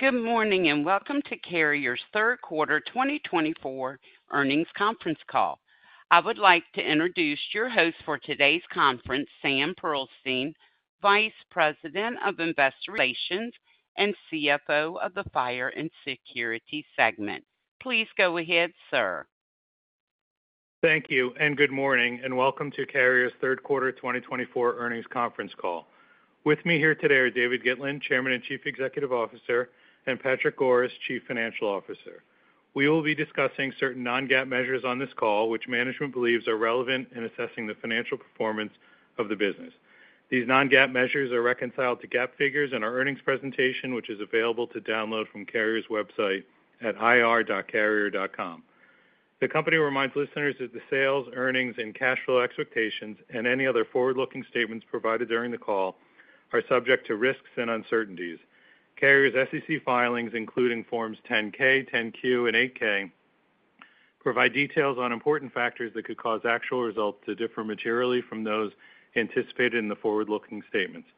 Good morning, and welcome to Carrier's third quarter 2024 earnings conference call. I would like to introduce your host for today's conference, Sam Pearlstein, Vice President of Investor Relations and CFO of the Fire and Security segment. Please go ahead, sir. Thank you, and good morning, and welcome to Carrier's third quarter 2024 earnings conference call. With me here today are David Gitlin, Chairman and Chief Executive Officer, and Patrick Goris, Chief Financial Officer. We will be discussing certain non-GAAP measures on this call, which management believes are relevant in assessing the financial performance of the business. These non-GAAP measures are reconciled to GAAP figures in our earnings presentation, which is available to download from Carrier's website at ir.carrier.com. The company reminds listeners that the sales, earnings, and cash flow expectations and any other forward-looking statements provided during the call are subject to risks and uncertainties. Carrier's SEC filings, including Forms 10-K, 10-Q, and 8-K, provide details on important factors that could cause actual results to differ materially from those anticipated in the forward-looking statements.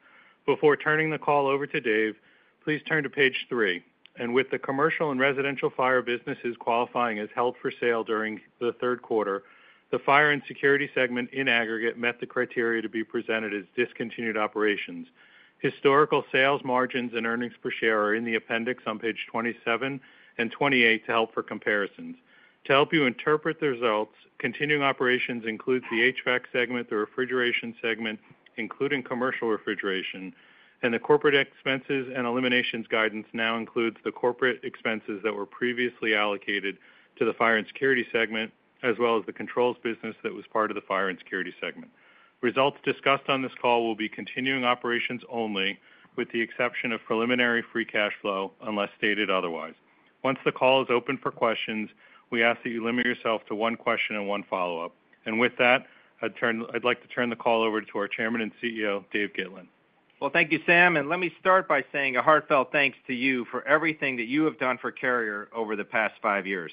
Before turning the call over to Dave, please turn to page three, and with the commercial and residential fire businesses qualifying as held for sale during the third quarter, the Fire and Security segment in aggregate met the criteria to be presented as discontinued operations. Historical sales margins and earnings per share are in the appendix on page 27 and 28 to help for comparisons. To help you interpret the results, continuing operations includes the HVAC segment, the refrigeration segment, including Commercial Refrigeration, and the corporate expenses and eliminations guidance now includes the corporate expenses that were previously allocated to the Fire and Security segment, as well as the controls business that was part of the Fire and Security segment. Results discussed on this call will be continuing operations only, with the exception of preliminary free cash flow, unless stated otherwise. Once the call is open for questions, we ask that you limit yourself to one question and one follow-up. And with that, I'd like to turn the call over to our Chairman and CEO, Dave Gitlin. Well, thank you, Sam, and let me start by saying a heartfelt thanks to you for everything that you have done for Carrier over the past five years.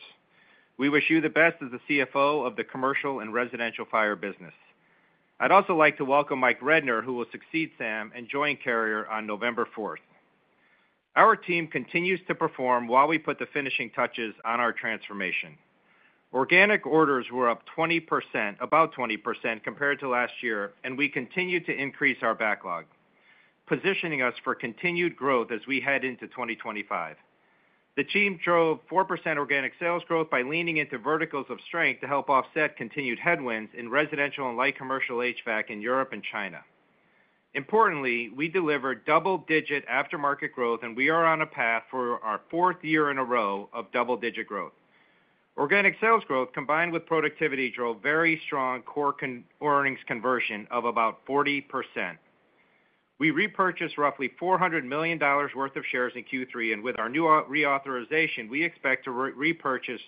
We wish you the best as the CFO of the commercial and residential fire business. I'd also like to welcome Mike Rednor, who will succeed Sam and join Carrier on November fourth. Our team continues to perform while we put the finishing touches on our transformation. Organic orders were up 20%, about 20% compared to last year, and we continued to increase our backlog, positioning us for continued growth as we head into 2025. The team drove 4% organic sales growth by leaning into verticals of strength to help offset continued headwinds in Residential and Light Commercial HVAC in Europe and China. Importantly, we delivered double-digit aftermarket growth, and we are on a path for our fourth year in a row of double-digit growth. Organic sales growth, combined with productivity, drove very strong core core earnings conversion of about 40%. We repurchased roughly $400 million worth of shares in Q3, and with our new authorization, we expect to repurchase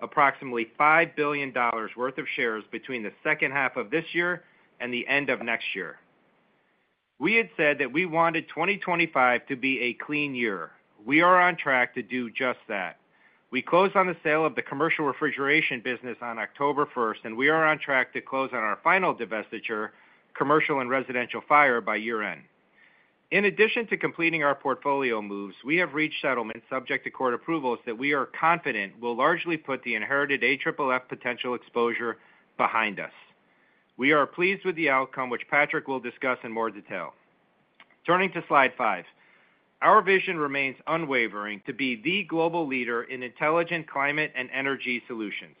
approximately $5 billion worth of shares between the second half of this year and the end of next year. We had said that we wanted 2025 to be a clean year. We are on track to do just that. We closed on the sale of the Commercial Refrigeration business on October first, and we are on track to close on our final divestiture, commercial and residential fire, by year-end. In addition to completing our portfolio moves, we have reached settlements subject to court approvals that we are confident will largely put the inherited AFFF potential exposure behind us. We are pleased with the outcome, which Patrick will discuss in more detail. Turning to slide five. Our vision remains unwavering to be the global leader in intelligent climate and energy solutions.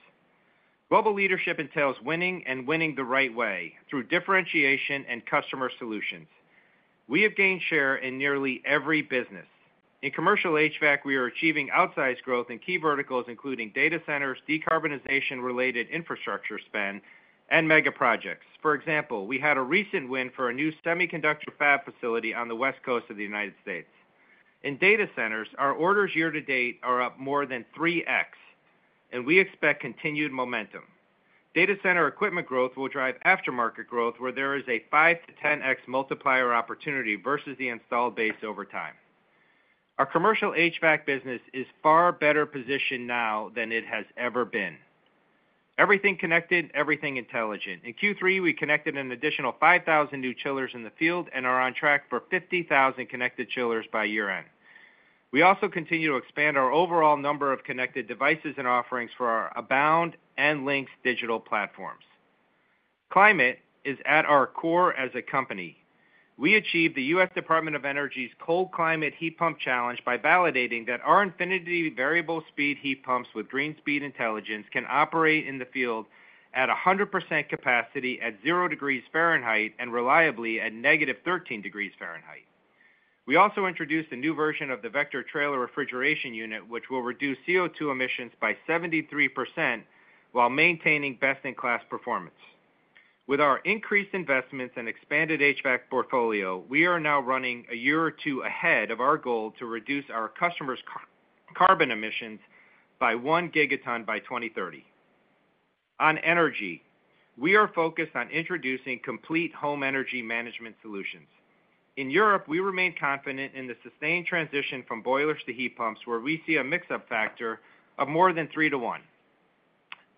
Global leadership entails winning and winning the right way, through differentiation and customer solutions. We have gained share in nearly every business. In Commercial HVAC, we are achieving outsized growth in key verticals, including data centers, decarbonization-related infrastructure spend, and mega projects. For example, we had a recent win for a new semiconductor fab facility on the West Coast of the United States. In data centers, our orders year-to-date are up more than 3x, and we expect continued momentum. Data center equipment growth will drive aftermarket growth, where there is a 5-10x multiplier opportunity versus the installed base over time. Our Commercial HVAC business is far better positioned now than it has ever been. Everything connected, everything intelligent. In Q3, we connected an additional 5,000 new chillers in the field and are on track for 50,000 connected chillers by year-end. We also continue to expand our overall number of connected devices and offerings for our Abound and Lynx digital platforms. Climate is at our core as a company. We achieved the U.S. Department of Energy's Cold Climate Heat Pump Challenge by validating that our Infinity variable speed heat pumps with Greenspeed Intelligence can operate in the field at 100% capacity at zero degrees Fahrenheit and reliably at -13 degrees Fahrenheit. We also introduced a new version of the Vector trailer refrigeration unit, which will reduce CO2 emissions by 73% while maintaining best-in-class performance. With our increased investments and expanded HVAC portfolio, we are now running a year or two ahead of our goal to reduce our customers' carbon emissions by one gigaton by 2030. On energy, we are focused on introducing complete home energy management solutions. In Europe, we remain confident in the sustained transition from boilers to heat pumps, where we see a mix uplift factor of more than three-to-one,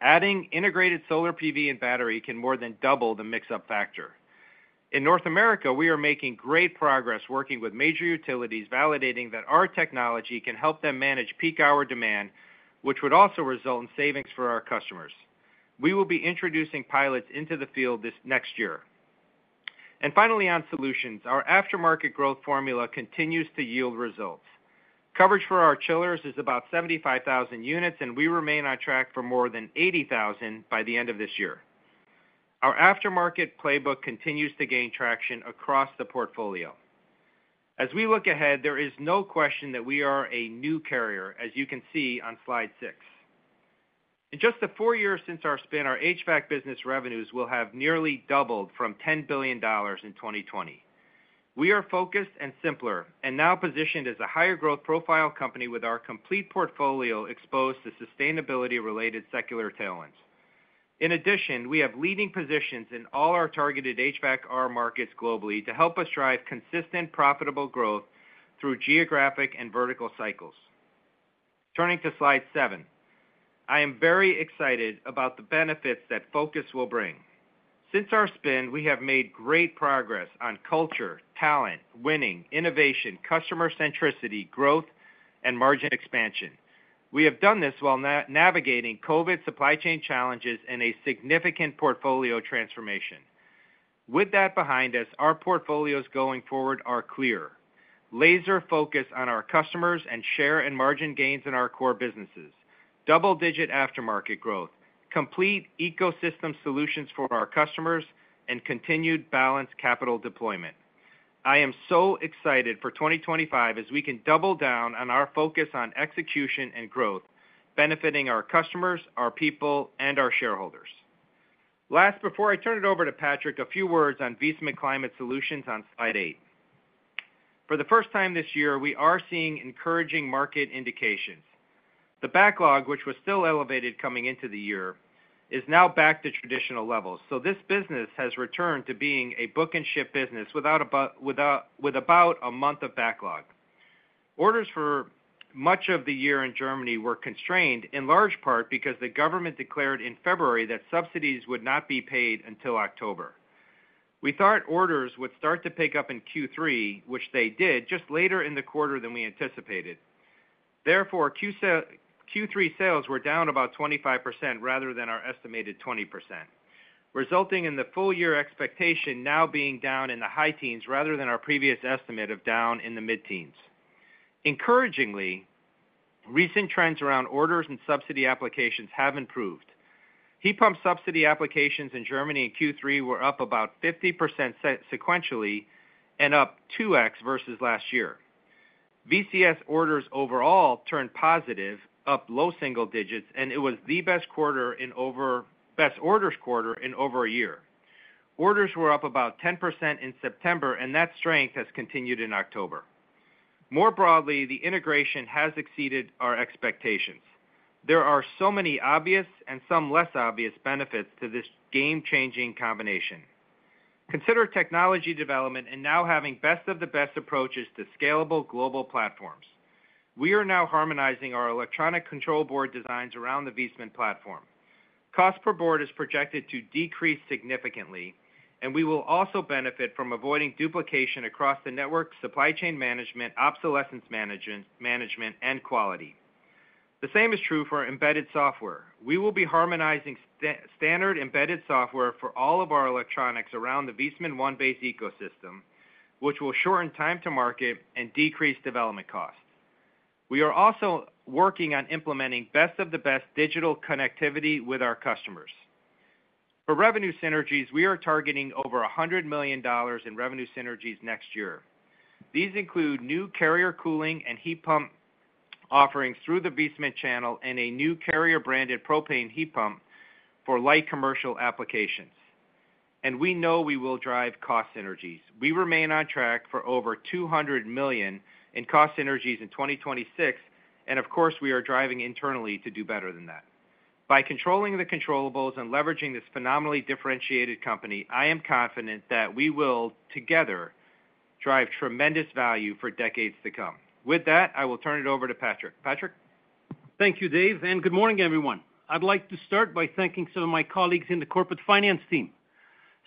adding integrated solar PV and battery can more than double the mix uplift factor. In North America, we are making great progress working with major utilities, validating that our technology can help them manage peak hour demand, which would also result in savings for our customers. We will be introducing pilots into the field this next year. And finally, on solutions, our aftermarket growth formula continues to yield results. Coverage for our chillers is about 75,000 units, and we remain on track for more than 80,000 by the end of this year. Our aftermarket playbook continues to gain traction across the portfolio. As we look ahead, there is no question that we are a new Carrier, as you can see on slide six. In just the four years since our spin, our HVAC business revenues will have nearly doubled from $10 billion in 2020. We are focused and simpler, and now positioned as a higher growth profile company with our complete portfolio exposed to sustainability-related secular tailwinds. In addition, we have leading positions in all our targeted HVAC&R markets globally to help us drive consistent, profitable growth through geographic and vertical cycles. Turning to slide seven. I am very excited about the benefits that focus will bring. Since our spin, we have made great progress on culture, talent, winning, innovation, customer centricity, growth, and margin expansion. We have done this while navigating COVID supply chain challenges and a significant portfolio transformation. With that behind us, our portfolios going forward are clear. Laser focus on our customers and share and margin gains in our core businesses, double-digit aftermarket growth, complete ecosystem solutions for our customers, and continued balanced capital deployment. I am so excited for 2025, as we can double down on our focus on execution and growth, benefiting our customers, our people, and our shareholders. Last, before I turn it over to Patrick, a few words on Viessmann Climate Solutions on slide eight. For the first time this year, we are seeing encouraging market indications. The backlog, which was still elevated coming into the year, is now back to traditional levels. So this business has returned to being a book and ship business with about a month of backlog. Orders for much of the year in Germany were constrained, in large part because the government declared in February that subsidies would not be paid until October. We thought orders would start to pick up in Q3, which they did, just later in the quarter than we anticipated. Therefore, Q3 sales were down about 25% rather than our estimated 20%, resulting in the full-year expectation now being down in the high teens rather than our previous estimate of down in the mid-teens. Encouragingly, recent trends around orders and subsidy applications have improved. Heat pump subsidy applications in Germany in Q3 were up about 50% sequentially, and up 2x versus last year. VCS orders overall turned positive, up low single digits, and it was the best orders quarter in over a year. Orders were up about 10% in September, and that strength has continued in October. More broadly, the integration has exceeded our expectations. There are so many obvious and some less obvious benefits to this game-changing combination. Consider technology development and now having best of the best approaches to scalable global platforms. We are now harmonizing our electronic control board designs around the Viessmann platform. Cost per board is projected to decrease significantly, and we will also benefit from avoiding duplication across the network, supply chain management, obsolescence management, and quality. The same is true for embedded software. We will be harmonizing standard embedded software for all of our electronics around the Viessmann One Base ecosystem, which will shorten time to market and decrease development costs. We are also working on implementing best-of-the-best digital connectivity with our customers. For revenue synergies, we are targeting over $100 million in revenue synergies next year. These include new Carrier cooling and heat pump offerings through the Viessmann channel and a new Carrier-branded propane heat pump for Light Commercial applications. We know we will drive cost synergies. We remain on track for over $200 million in cost synergies in 2026, and of course, we are driving internally to do better than that. By controlling the controllables and leveraging this phenomenally differentiated company, I am confident that we will, together, drive tremendous value for decades to come. With that, I will turn it over to Patrick. Patrick? Thank you, Dave, and good morning, everyone. I'd like to start by thanking some of my colleagues in the corporate finance team.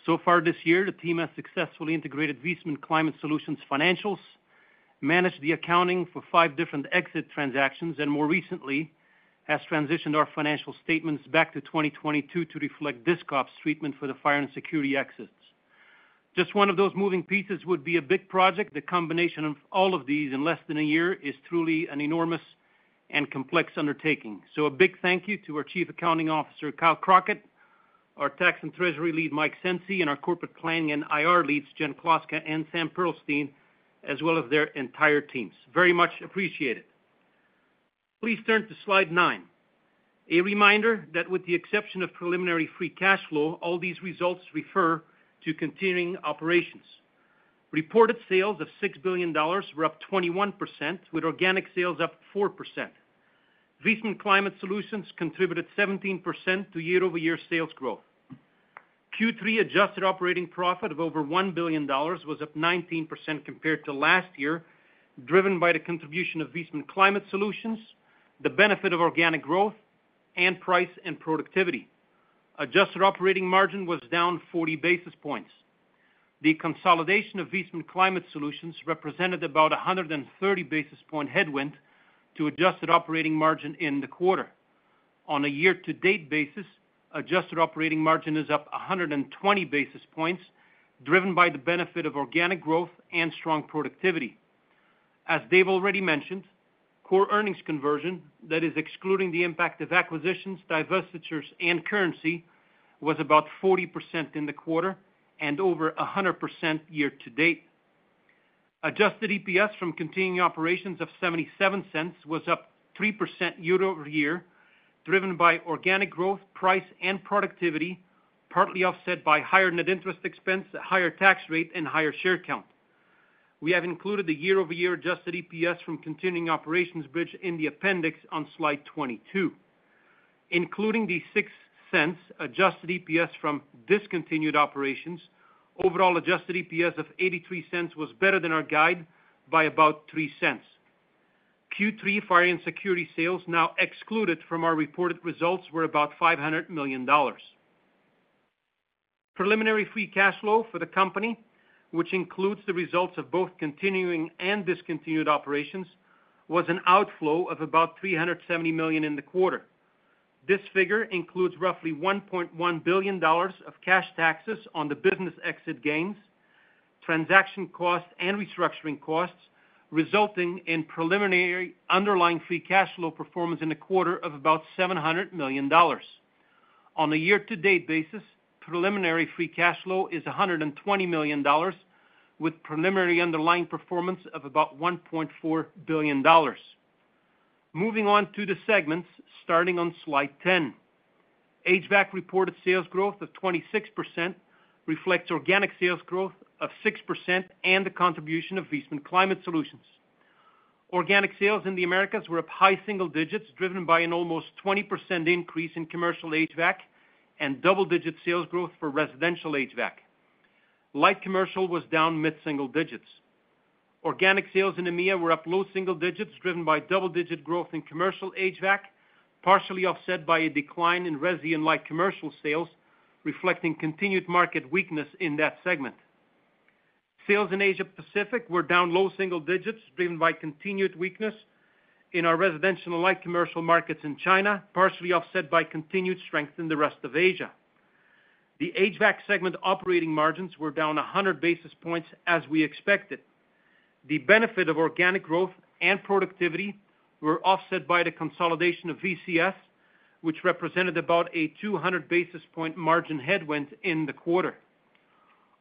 So far this year, the team has successfully integrated Viessmann Climate Solutions financials, managed the accounting for five different exit transactions, and more recently, has transitioned our financial statements back to 2022 to reflect Disc Ops treatment for the Fire and Security exits. Just one of those moving pieces would be a big project. The combination of all of these in less than a year is truly an enormous and complex undertaking. So a big thank you to our Chief Accounting Officer, Kyle Crockett, our tax and treasury lead, Mike Cenci, and our corporate planning and IR leads, Jen Kloska and Sam Pearlstein, as well as their entire teams. Very much appreciated. Please turn to slide nine. A reminder that with the exception of preliminary free cash flow, all these results refer to continuing operations. Reported sales of $6 billion were up 21%, with organic sales up 4%. Viessmann Climate Solutions contributed 17% to year-over-year sales growth. Q3 adjusted operating profit of over $1 billion was up 19% compared to last year, driven by the contribution of Viessmann Climate Solutions, the benefit of organic growth, and price and productivity. Adjusted operating margin was down 40 basis points. The consolidation of Viessmann Climate Solutions represented about a 130 basis point headwind to adjusted operating margin in the quarter. On a year-to-date basis, adjusted operating margin is up 120 basis points, driven by the benefit of organic growth and strong productivity. As Dave already mentioned, core earnings conversion, that is excluding the impact of acquisitions, divestitures, and currency, was about 40% in the quarter and over 100% year-to-date. Adjusted EPS from continuing operations of $0.77 was up 3% year-over-year, driven by organic growth, price, and productivity, partly offset by higher net interest expense, a higher tax rate, and higher share count. We have included the year-over-year adjusted EPS from continuing operations bridge in the appendix on slide 22. Including the $0.06, adjusted EPS from discontinued operations, overall adjusted EPS of $0.83 was better than our guide by about $0.03. Q3 Fire and Security sales, now excluded from our reported results, were about $500 million. Preliminary free cash flow for the company, which includes the results of both continuing and discontinued operations, was an outflow of about $370 million in the quarter. This figure includes roughly $1.1 billion of cash taxes on the business exit gains, transaction costs, and restructuring costs, resulting in preliminary underlying free cash flow performance in the quarter of about $700 million. On a year-to-date basis, preliminary free cash flow is $120 million, with preliminary underlying performance of about $1.4 billion. Moving on to the segments, starting on slide 10. HVAC reported sales growth of 26% reflects organic sales growth of 6% and the contribution of Viessmann Climate Solutions. Organic sales in the Americas were up high single digits, driven by an almost 20% increase in Commercial HVAC and double-digit sales growth for Residential HVAC. Light Commercial was down mid-single digits. Organic sales in EMEA were up low single digits, driven by double-digit growth in Commercial HVAC, partially offset by a decline in resi and Light Commercial sales, reflecting continued market weakness in that segment. Sales in Asia Pacific were down low single digits, driven by continued weakness in our Residential and Light Commercial markets in China, partially offset by continued strength in the rest of Asia. The HVAC segment operating margins were down 100 basis points as we expected. The benefit of organic growth and productivity were offset by the consolidation of VCS, which represented about a 200 basis point margin headwind in the quarter.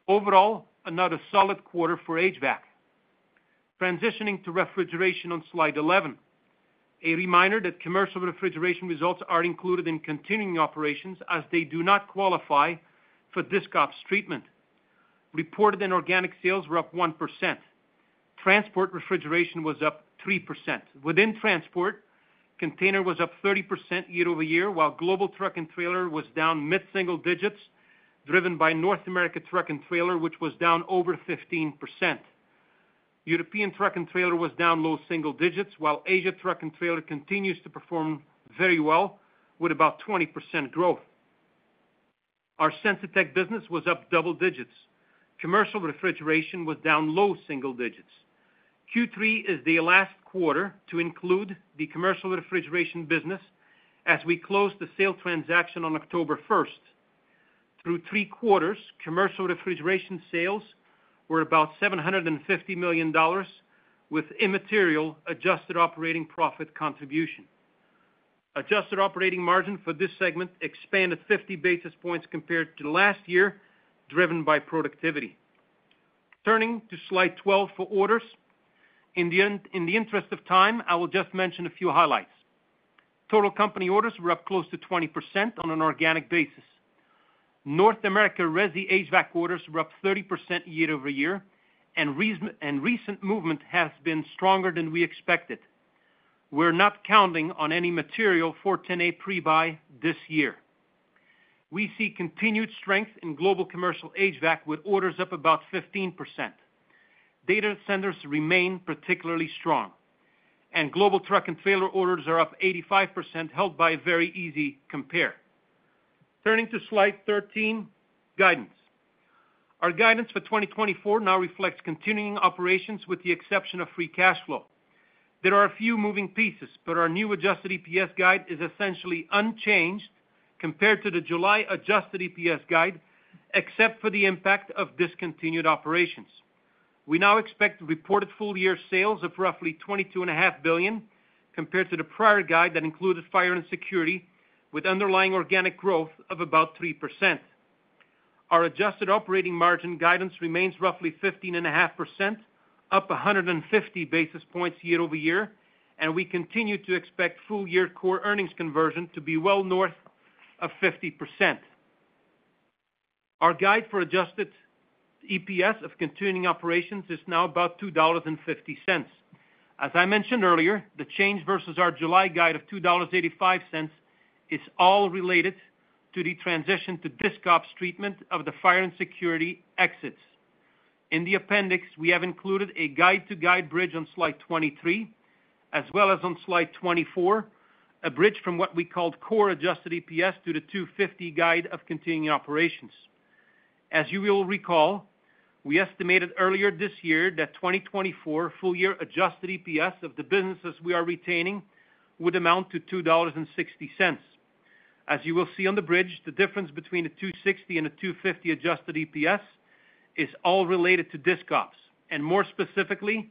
Overall, another solid quarter for HVAC. Transitioning to refrigeration on slide 11. A reminder that Commercial Refrigeration results are included in continuing operations as they do not qualify for this Disc Ops treatment. Reported and organic sales were up 1%. Transport refrigeration was up 3%. Within transport, container was up 30% year-over-year, while global truck and trailer was down mid-single digits, driven by North America truck and trailer, which was down over 15%. European truck and trailer was down low single digits, while Asia truck and trailer continues to perform very well with about 20% growth. Our Sensitech business was up double digits. Commercial Refrigeration was down low single digits. Q3 is the last quarter to include the Commercial Refrigeration business as we closed the sale transaction on October 1. Through three quarters, Commercial Refrigeration sales were about $750 million, with immaterial adjusted operating profit contribution. Adjusted operating margin for this segment expanded 50 basis points compared to last year, driven by productivity. Turning to slide 12 for orders. In the interest of time, I will just mention a few highlights. Total company orders were up close to 20% on an organic basis. North America resi HVAC orders were up 30% year-over-year, and recent movement has been stronger than we expected. We're not counting on any material 410 pre-buy this year. We see continued strength in global Commercial HVAC, with orders up about 15%. Data centers remain particularly strong, and global truck and trailer orders are up 85%, helped by a very easy compare. Turning to slide 13, guidance. Our guidance for 2024 now reflects continuing operations with the exception of free cash flow. There are a few moving pieces, but our new adjusted EPS guide is essentially unchanged compared to the July adjusted EPS guide, except for the impact of discontinued operations. We now expect reported full-year sales of roughly $22.5 billion, compared to the prior guide that included Fire and Security, with underlying organic growth of about 3%. Our adjusted operating margin guidance remains roughly 15.5%, up 150 basis points year-over-year, and we continue to expect full-year core earnings conversion to be well north of 50%. Our guide for adjusted EPS of continuing operations is now about $2.50. As I mentioned earlier, the change versus our July guide of $2.85 is all related to the transition to Disc Ops treatment of the Fire and Security exits. In the appendix, we have included a guide-to-guide bridge on slide 23, as well as on slide 24, a bridge from what we called core adjusted EPS to the $2.50 guide of continuing operations. As you will recall, we estimated earlier this year that 2024 full-year adjusted EPS of the businesses we are retaining would amount to $2.60. As you will see on the bridge, the difference between the $2.60 and the $2.50 adjusted EPS is all related to Disc Ops, and more specifically,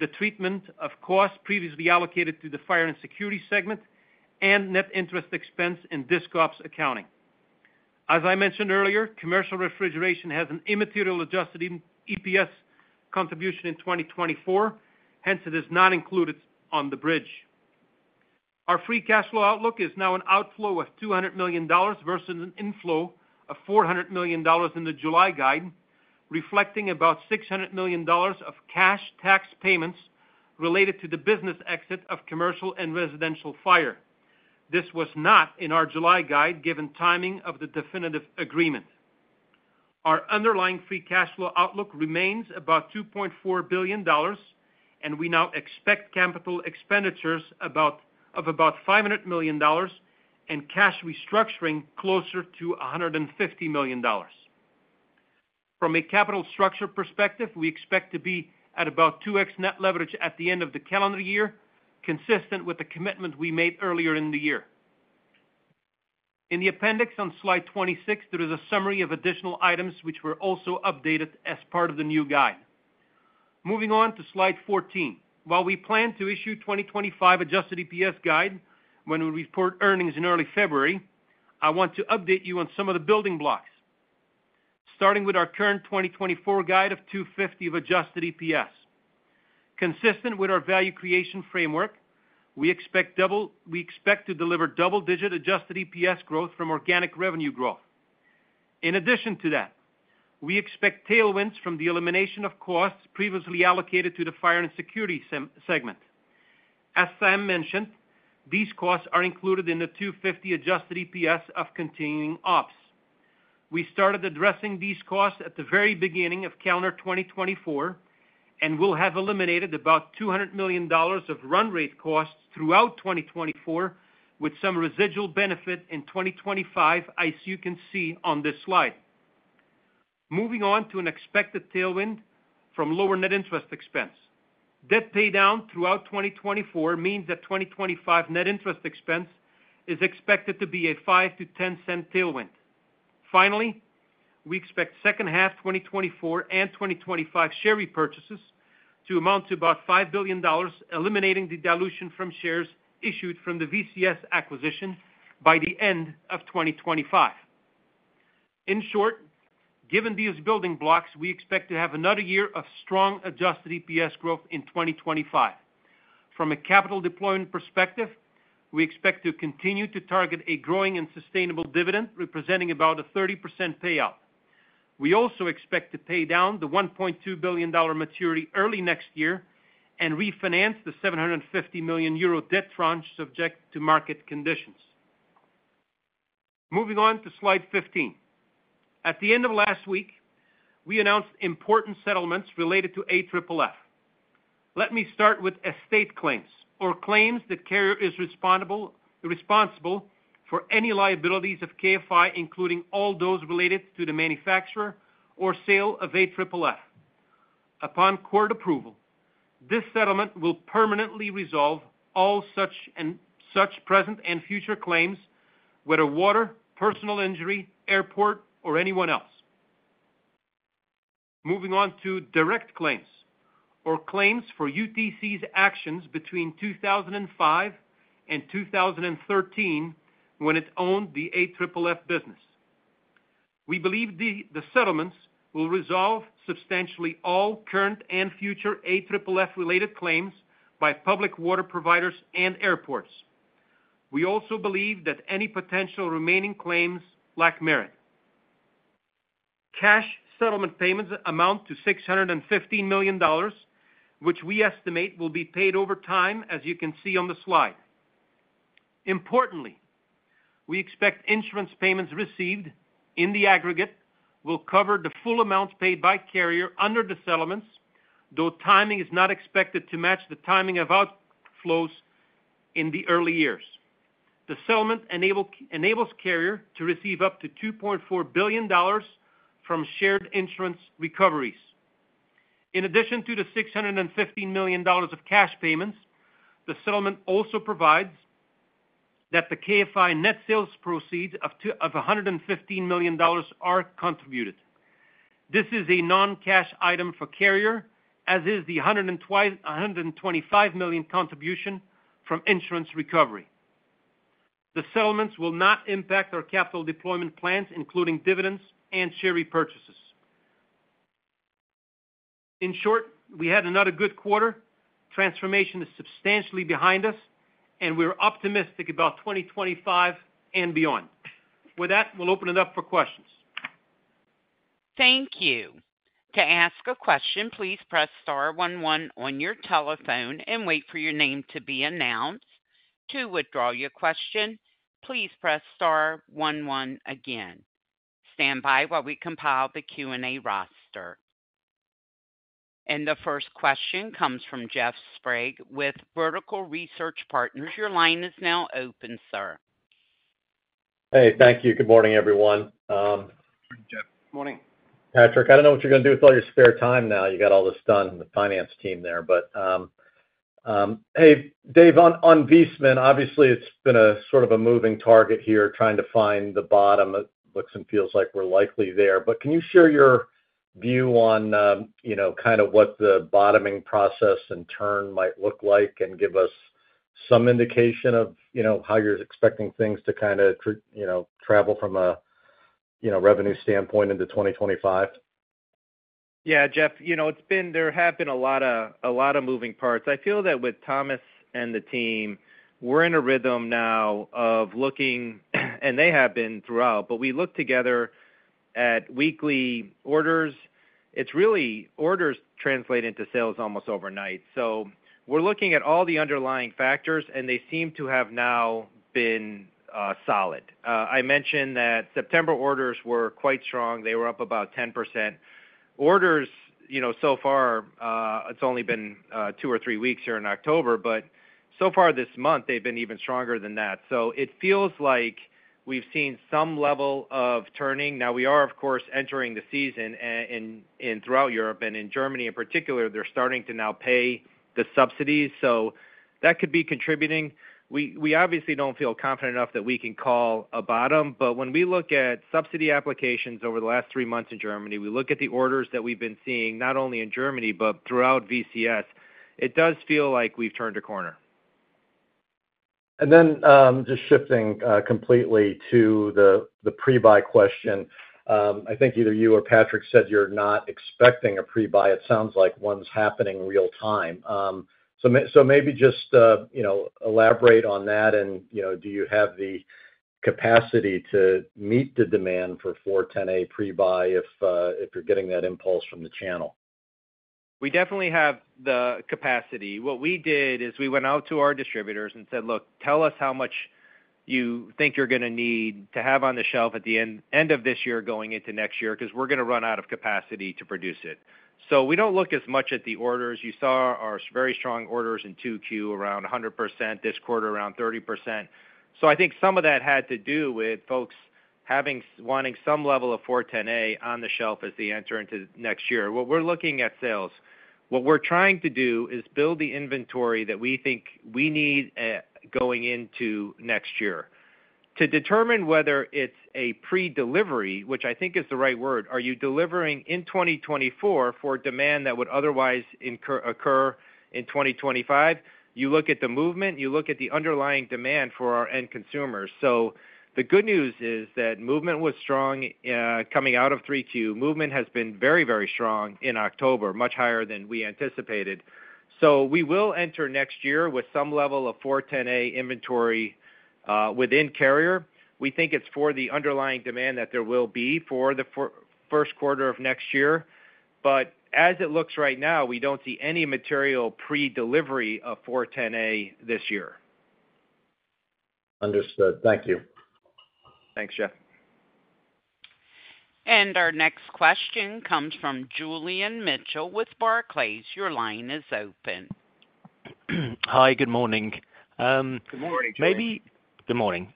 the treatment of costs previously allocated to the Fire and Security segment and net interest expense in Disc Ops accounting. As I mentioned earlier, Commercial Refrigeration has an immaterial adjusted EPS contribution in 2024, hence it is not included on the bridge. Our free cash flow outlook is now an outflow of $200 million versus an inflow of $400 million in the July guide, reflecting about $600 million of cash tax payments related to the business exit of commercial and residential fire. This was not in our July guide, given timing of the definitive agreement. Our underlying free cash flow outlook remains about $2.4 billion, and we now expect capital expenditures of about $500 million and cash restructuring closer to $150 million. From a capital structure perspective, we expect to be at about 2x net leverage at the end of the calendar year, consistent with the commitment we made earlier in the year. In the appendix on slide 26, there is a summary of additional items which were also updated as part of the new guide. Moving on to slide 14. While we plan to issue 2025 adjusted EPS guide when we report earnings in early February, I want to update you on some of the building blocks, starting with our current 2024 guide of $2.50 adjusted EPS. Consistent with our value creation framework, we expect to deliver double-digit adjusted EPS growth from organic revenue growth. In addition to that, we expect tailwinds from the elimination of costs previously allocated to the Fire and Security segment. As Sam mentioned, these costs are included in the $2.50 adjusted EPS of continuing ops. We started addressing these costs at the very beginning of calendar 2024, and we'll have eliminated about $200 million of run rate costs throughout 2024, with some residual benefit in 2025, as you can see on this slide. Moving on to an expected tailwind from lower net interest expense. Debt paydown throughout 2024 means that 2025 net interest expense is expected to be a $0.05-$0.10 tailwind. Finally, we expect second half 2024 and 2025 share repurchases to amount to about $5 billion, eliminating the dilution from shares issued from the VCS acquisition by the end of 2025. In short, given these building blocks, we expect to have another year of strong adjusted EPS growth in 2025. From a capital deployment perspective, we expect to continue to target a growing and sustainable dividend, representing about a 30% payout. We also expect to pay down the $1.2 billion maturity early next year and refinance the 750 million euro debt tranche subject to market conditions. Moving on to slide 15. At the end of last week, we announced important settlements related to AFFF. Let me start with estate claims, or claims that Carrier is responsible for any liabilities of KFI, including all those related to the manufacturer or sale of AFFF. Upon court approval, this settlement will permanently resolve all such and such present and future claims, whether water, personal injury, airport, or anyone else. Moving on to direct claims, or claims for UTC's actions between 2005 and 2013, when it owned the AFFF business. We believe the settlements will resolve substantially all current and future AFFF-related claims by public water providers and airports. We also believe that any potential remaining claims lack merit. Cash settlement payments amount to $650 million, which we estimate will be paid over time, as you can see on the slide. Importantly, we expect insurance payments received in the aggregate will cover the full amounts paid by Carrier under the settlements, though timing is not expected to match the timing of outflows in the early years. The settlement enables Carrier to receive up to $2.4 billion from shared insurance recoveries. In addition to the $650 million of cash payments, the settlement also provides that the KFI net sales proceeds of $115 million are contributed. This is a non-cash item for Carrier, as is the $125 million contribution from insurance recovery. The settlements will not impact our capital deployment plans, including dividends and share repurchases. In short, we had another good quarter. Transformation is substantially behind us, and we're optimistic about 2025 and beyond. With that, we'll open it up for questions. Thank you. To ask a question, please press star one one on your telephone and wait for your name to be announced. To withdraw your question, please press star one one again. Stand by while we compile the Q&A roster. And the first question comes from Jeff Sprague with Vertical Research Partners. Your line is now open, sir. Hey, thank you. Good morning, everyone. Good morning, Jeff. Morning. Patrick, I don't know what you're gonna do with all your spare time now. You got all this done, the finance team there. But, hey, Dave, on Viessmann, obviously, it's been a sort of a moving target here, trying to find the bottom. It looks and feels like we're likely there. But can you share your view on, you know, kind of what the bottoming process and turn might look like, and give us some indication of, you know, how you're expecting things to kinda, you know, travel from a, you know, revenue standpoint into 2025? Yeah, Jeff, you know, it's been. There have been a lot of, a lot of moving parts. I feel that with Thomas and the team, we're in a rhythm now of looking, and they have been throughout, but we look together at weekly orders. It's really orders translate into sales almost overnight. So we're looking at all the underlying factors, and they seem to have now been solid. I mentioned that September orders were quite strong. They were up about 10%. Orders, you know, so far, it's only been two or three weeks here in October, but so far this month, they've been even stronger than that. So it feels like we've seen some level of turning. Now we are, of course, entering the season throughout Europe and in Germany in particular. They're starting to now pay the subsidies, so that could be contributing. We obviously don't feel confident enough that we can call a bottom, but when we look at subsidy applications over the last three months in Germany, we look at the orders that we've been seeing, not only in Germany, but throughout VCS. It does feel like we've turned a corner. And then, just shifting completely to the pre-buy question. I think either you or Patrick said you're not expecting a pre-buy. It sounds like one's happening real time. So maybe just, you know, elaborate on that and, you know, do you have the capacity to meet the demand for 410A pre-buy if, if you're getting that impulse from the channel? We definitely have the capacity. What we did is we went out to our distributors and said, "Look, tell us how much you think you're gonna need to have on the shelf at the end of this year, going into next year, because we're gonna run out of capacity to produce it." So we don't look as much at the orders. You saw our very strong orders in 2Q, around 100%, this quarter around 30%. So I think some of that had to do with folks wanting some level of 410A on the shelf as they enter into next year. What we're looking at sales. What we're trying to do is build the inventory that we think we need, going into next year. To determine whether it's a predelivery, which I think is the right word, are you delivering in 2024 for demand that would otherwise occur in 2025? You look at the movement, you look at the underlying demand for our end consumers. So the good news is that movement was strong coming out of 3Q. Movement has been very, very strong in October, much higher than we anticipated. So we will enter next year with some level of 410A inventory within Carrier. We think it's for the underlying demand that there will be for the first quarter of next year. But as it looks right now, we don't see any material predelivery of 410A this year. Understood. Thank you. Thanks, Jeff. Our next question comes from Julian Mitchell with Barclays. Your line is open. Hi, good morning. Good morning, Julian. Good morning.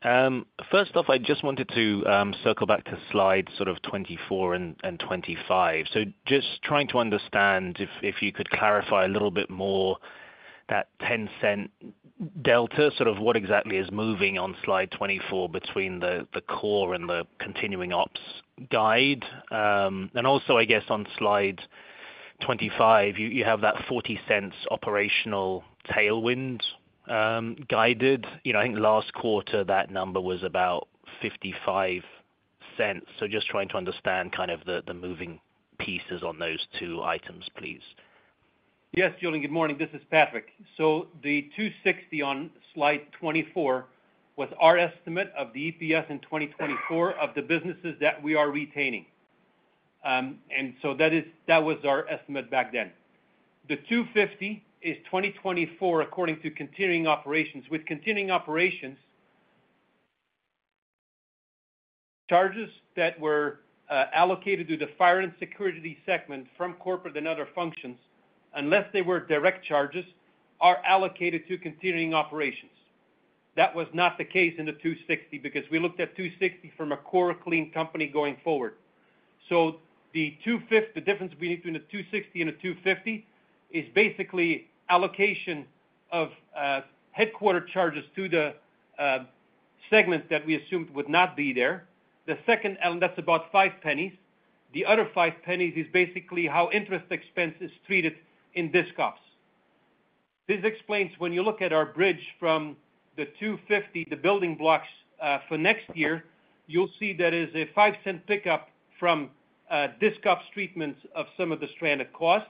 First off, I just wanted to circle back to slide sort of 24 and 25. So just trying to understand if you could clarify a little bit more that $0.10 delta, sort of what exactly is moving on slide 24 between the core and the continuing ops guide. And also, I guess on slide 25, you have that $0.40 operational tailwind guided. You know, I think last quarter, that number was about $0.55. So just trying to understand kind of the moving pieces on those two items, please. Yes, Julian, good morning. This is Patrick. So the $2.60 on slide 24 was our estimate of the EPS in 2024 of the businesses that we are retaining. And so that is-- that was our estimate back then. The $2.50 is 2024, according to continuing operations. With continuing operations, charges that were allocated to the Fire and Security segment from corporate and other functions, unless they were direct charges, are allocated to continuing operations. That was not the case in the $2.60, because we looked at $2.60 from a core clean company going forward. So the $2.50, the difference between the $2.60 and the $2.50, is basically allocation of headquarters charges to the segments that we assumed would not be there. The second, and that's about $0.05. The other $0.05 is basically how interest expense is treated in Disc Ops. This explains when you look at our bridge from the $2.50, the building blocks, for next year, you'll see there is a $0.05 pickup from Disc Ops treatments of some of the stranded costs.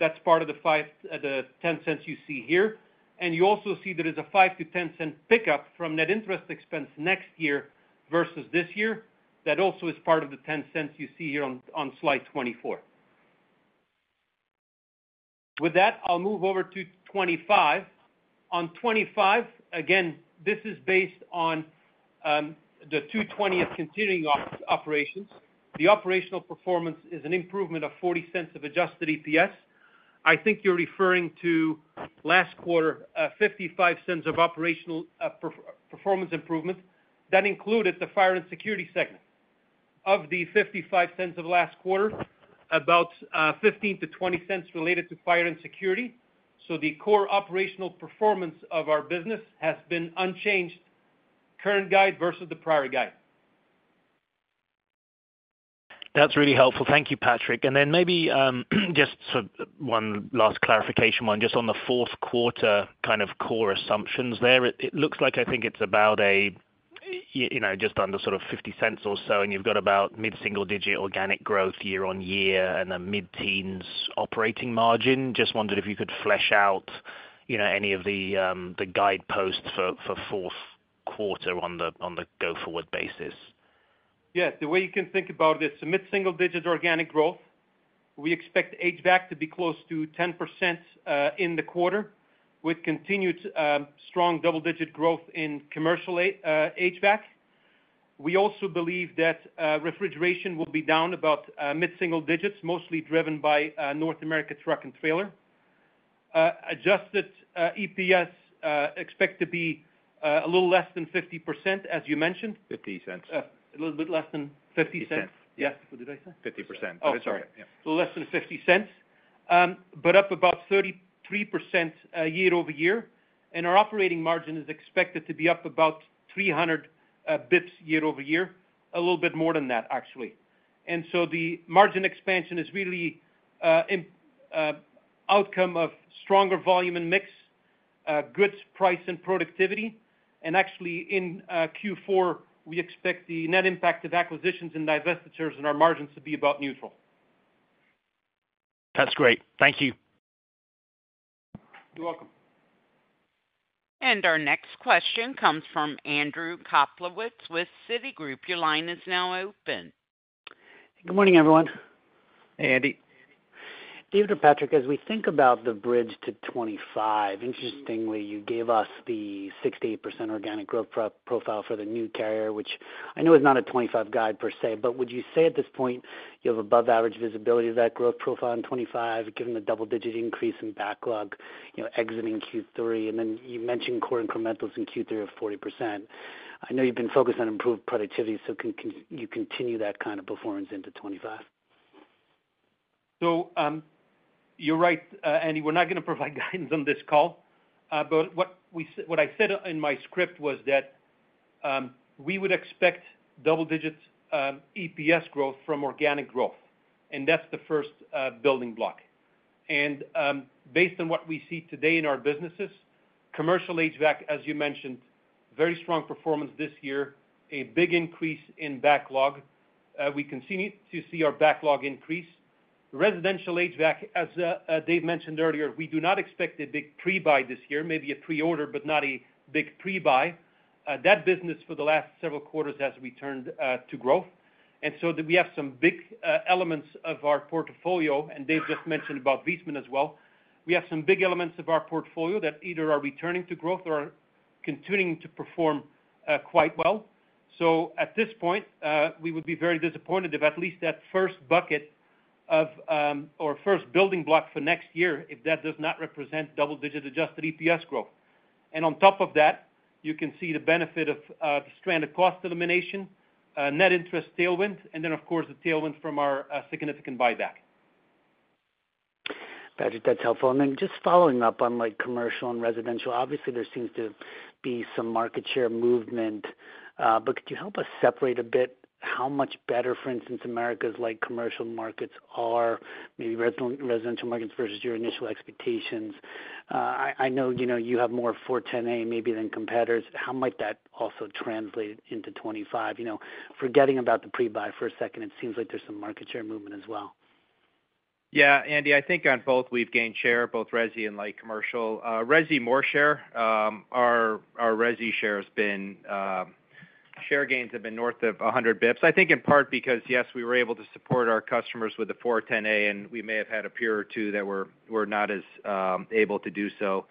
That's part of the $0.05, the $0.10 you see here. And you also see there is a $0.05-$0.10 pickup from net interest expense next year versus this year. That also is part of the $0.10 you see here on slide 24. With that, I'll move over to 25. On 25, again, this is based on the $2.20 continuing operations. The operational performance is an improvement of $0.40 of adjusted EPS. I think you're referring to last quarter, $0.55 of operational performance improvement. That included the Fire and Security segment. Of the $0.55 of last quarter, about $0.15-$0.20 related to Fire and Security. So the core operational performance of our business has been unchanged, current guide versus the prior guide. That's really helpful. Thank you, Patrick. And then maybe just sort of one last clarification, one just on the fourth quarter, kind of core assumptions there. It looks like I think it's about a, you know, just under sort of $0.50 or so, and you've got about mid-single-digit organic growth year on year and a mid-teens operating margin. Just wondered if you could flesh out, you know, any of the guideposts for fourth quarter on the go-forward basis. Yeah, the way you can think about this, mid-single digit organic growth. We expect HVAC to be close to 10% in the quarter, with continued strong double-digit growth in Commercial HVAC. We also believe that refrigeration will be down about mid-single digits, mostly driven by North America truck and trailer. Adjusted EPS expect to be a little less than 50%, as you mentioned. $0.50. A little bit less than $0.50. $0.50. Yeah. What did I say? 50%. Oh, sorry. Yeah. Less than $0.50, but up about 33% year-over-year, and our operating margin is expected to be up about 300 basis points year-over-year, a little bit more than that, actually. So the margin expansion is really the outcome of stronger volume and mix, goods, price and productivity. Actually in Q4, we expect the net impact of acquisitions and divestitures in our margins to be about neutral. That's great. Thank you. You're welcome. And our next question comes from Andrew Kaplowitz with Citigroup. Your line is now open. Good morning, everyone. Hey, Andy. David or Patrick, as we think about the bridge to 2025, interestingly, you gave us the 68% organic growth profile for the new Carrier, which I know is not a 2025 guide per se, but would you say at this point, you have above average visibility of that growth profile in 2025, given the double-digit increase in backlog, you know, exiting Q3, and then you mentioned core incrementals in Q3 of 40%? I know you've been focused on improved productivity, so can you continue that kind of performance into 2025? You're right, Andy. We're not gonna provide guidance on this call. But what I said in my script was that we would expect double digits EPS growth from organic growth, and that's the first building block. Based on what we see today in our businesses, Commercial HVAC, as you mentioned, very strong performance this year, a big increase in backlog. We continue to see our backlog increase. Residential HVAC, as Dave mentioned earlier, we do not expect a big pre-buy this year, maybe a pre-order, but not a big pre-buy. That business for the last several quarters has returned to growth. We have some big elements of our portfolio, and Dave just mentioned about Viessmann as well. We have some big elements of our portfolio that either are returning to growth or are continuing to perform quite well. At this point, we would be very disappointed if at least that first bucket of, or first building block for next year, if that does not represent double-digit adjusted EPS growth. On top of that, you can see the benefit of the stranded cost elimination, net interest tailwind, and then, of course, the tailwind from our significant buyback. Patrick, that's helpful. And then just following up on like commercial and residential, obviously there seems to be some market share movement, but could you help us separate a bit how much better, for instance, America's like commercial markets are, maybe residential markets versus your initial expectations? I know, you know, you have more 410A maybe than competitors. How might that also translate into 2025? You know, forgetting about the pre-buy for a second, it seems like there's some market share movement as well. Yeah, Andy, I think on both, we've gained share, both resi and Light Commercial. Resi, more share. Our resi share has been, share gains have been north of 100 basis points, I think in part because, yes, we were able to support our customers with the 410A, and we may have had a peer or two that were not as able to do so.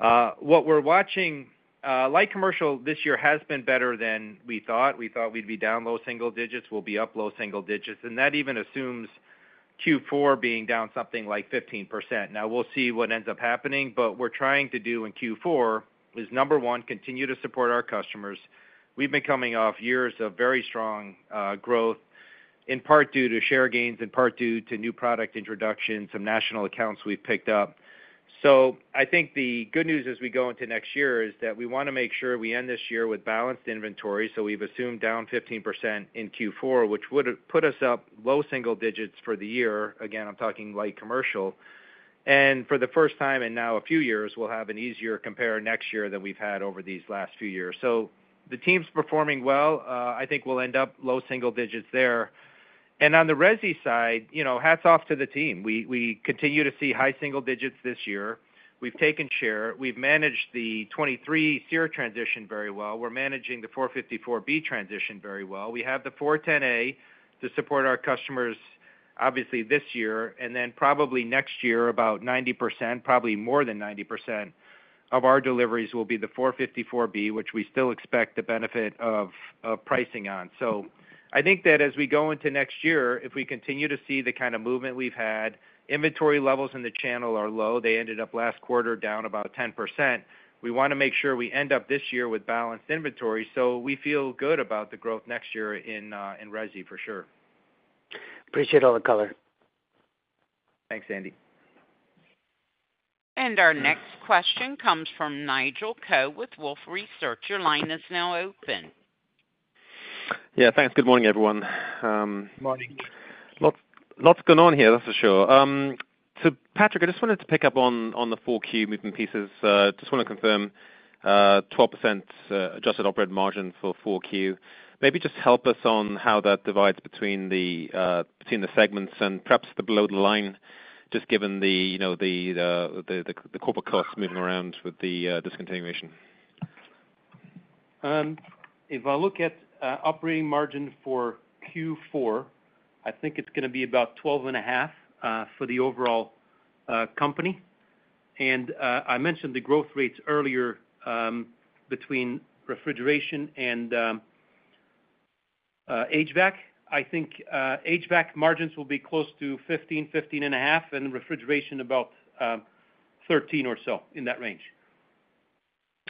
What we're watching, Light Commercial this year has been better than we thought. We thought we'd be down low single digits, we'll be up low single digits, and that even assumes Q4 being down something like 15%. Now, we'll see what ends up happening, but we're trying to do in Q4 is, number one, continue to support our customers. We've been coming off years of very strong growth, in part due to share gains, in part due to new product introductions, some national accounts we've picked up. So I think the good news as we go into next year is that we wanna make sure we end this year with balanced inventory, so we've assumed down 15% in Q4, which would have put us up low single digits for the year. Again, I'm talking Light Commercial... and for the first time in now a few years, we'll have an easier compare next year than we've had over these last few years. So the team's performing well. I think we'll end up low single digits there. And on the resi side, you know, hats off to the team. We continue to see high single digits this year. We've taken share. We've managed the 2023 SEER transition very well. We're managing the 454B transition very well. We have the 410A to support our customers, obviously, this year, and then probably next year, about 90%, probably more than 90% of our deliveries will be the 454B, which we still expect the benefit of, of pricing on. So I think that as we go into next year, if we continue to see the kind of movement we've had, inventory levels in the channel are low. They ended up last quarter, down about 10%. We wanna make sure we end up this year with balanced inventory, so we feel good about the growth next year in, in resi, for sure. Appreciate all the color. Thanks, Andy. And our next question comes from Nigel Coe with Wolfe Research. Your line is now open. Yeah, thanks. Good morning, everyone. Morning. Lots going on here, that's for sure, so Patrick, I just wanted to pick up on the 4Q moving pieces. Just wanna confirm, 12% adjusted operating margin for 4Q. Maybe just help us on how that divides between the segments and perhaps the below the line, just given the, you know, the corporate costs moving around with the discontinuation. If I look at operating margin for Q4, I think it's gonna be about 12.5% for the overall company. I mentioned the growth rates earlier between refrigeration and HVAC. I think HVAC margins will be close to 15%-15.5%, and refrigeration about 13% or so, in that range.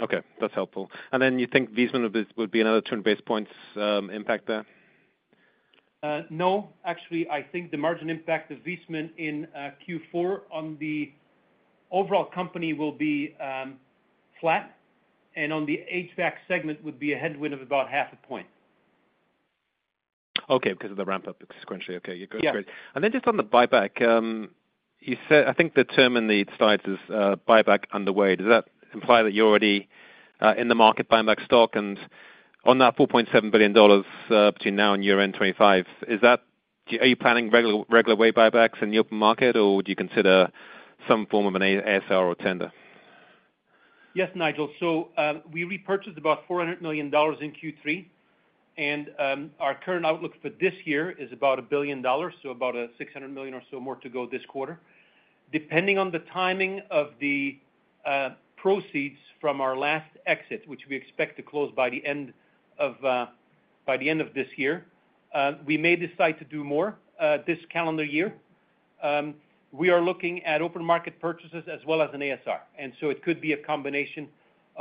Okay, that's helpful. And then you think Viessmann would be another 10 basis points impact there? No. Actually, I think the margin impact of Viessmann in Q4 on the overall company will be flat, and on the HVAC segment would be a headwind of about 0.5 point. Okay, because of the ramp-up sequentially. Okay, you got it. Yeah. And then just on the buyback, you said. I think the term in the slides is "buyback underway." Does that imply that you're already in the market buying back stock? And on that $4.7 billion between now and year-end 2025, is that? Are you planning regular way buybacks in the open market, or would you consider some form of an ASR or tender? Yes, Nigel. We repurchased about $400 million in Q3, and our current outlook for this year is about $1 billion, so about $600 million or so more to go this quarter. Depending on the timing of the proceeds from our last exit, which we expect to close by the end of this year, we may decide to do more this calendar year. We are looking at open market purchases as well as an ASR, and so it could be a combination of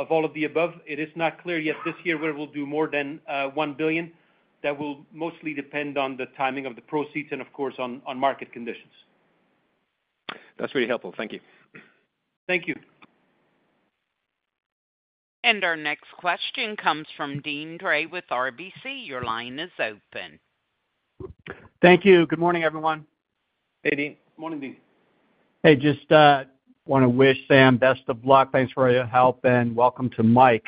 all of the above. It is not clear yet this year whether we'll do more than $1 billion. That will mostly depend on the timing of the proceeds and, of course, on market conditions. That's really helpful. Thank you. Thank you. Our next question comes from Deane Dray with RBC. Your line is open. Thank you. Good morning, everyone. Hey, Dean. Morning, Dean. Hey, just wanna wish Sam best of luck. Thanks for all your help, and welcome to Mike.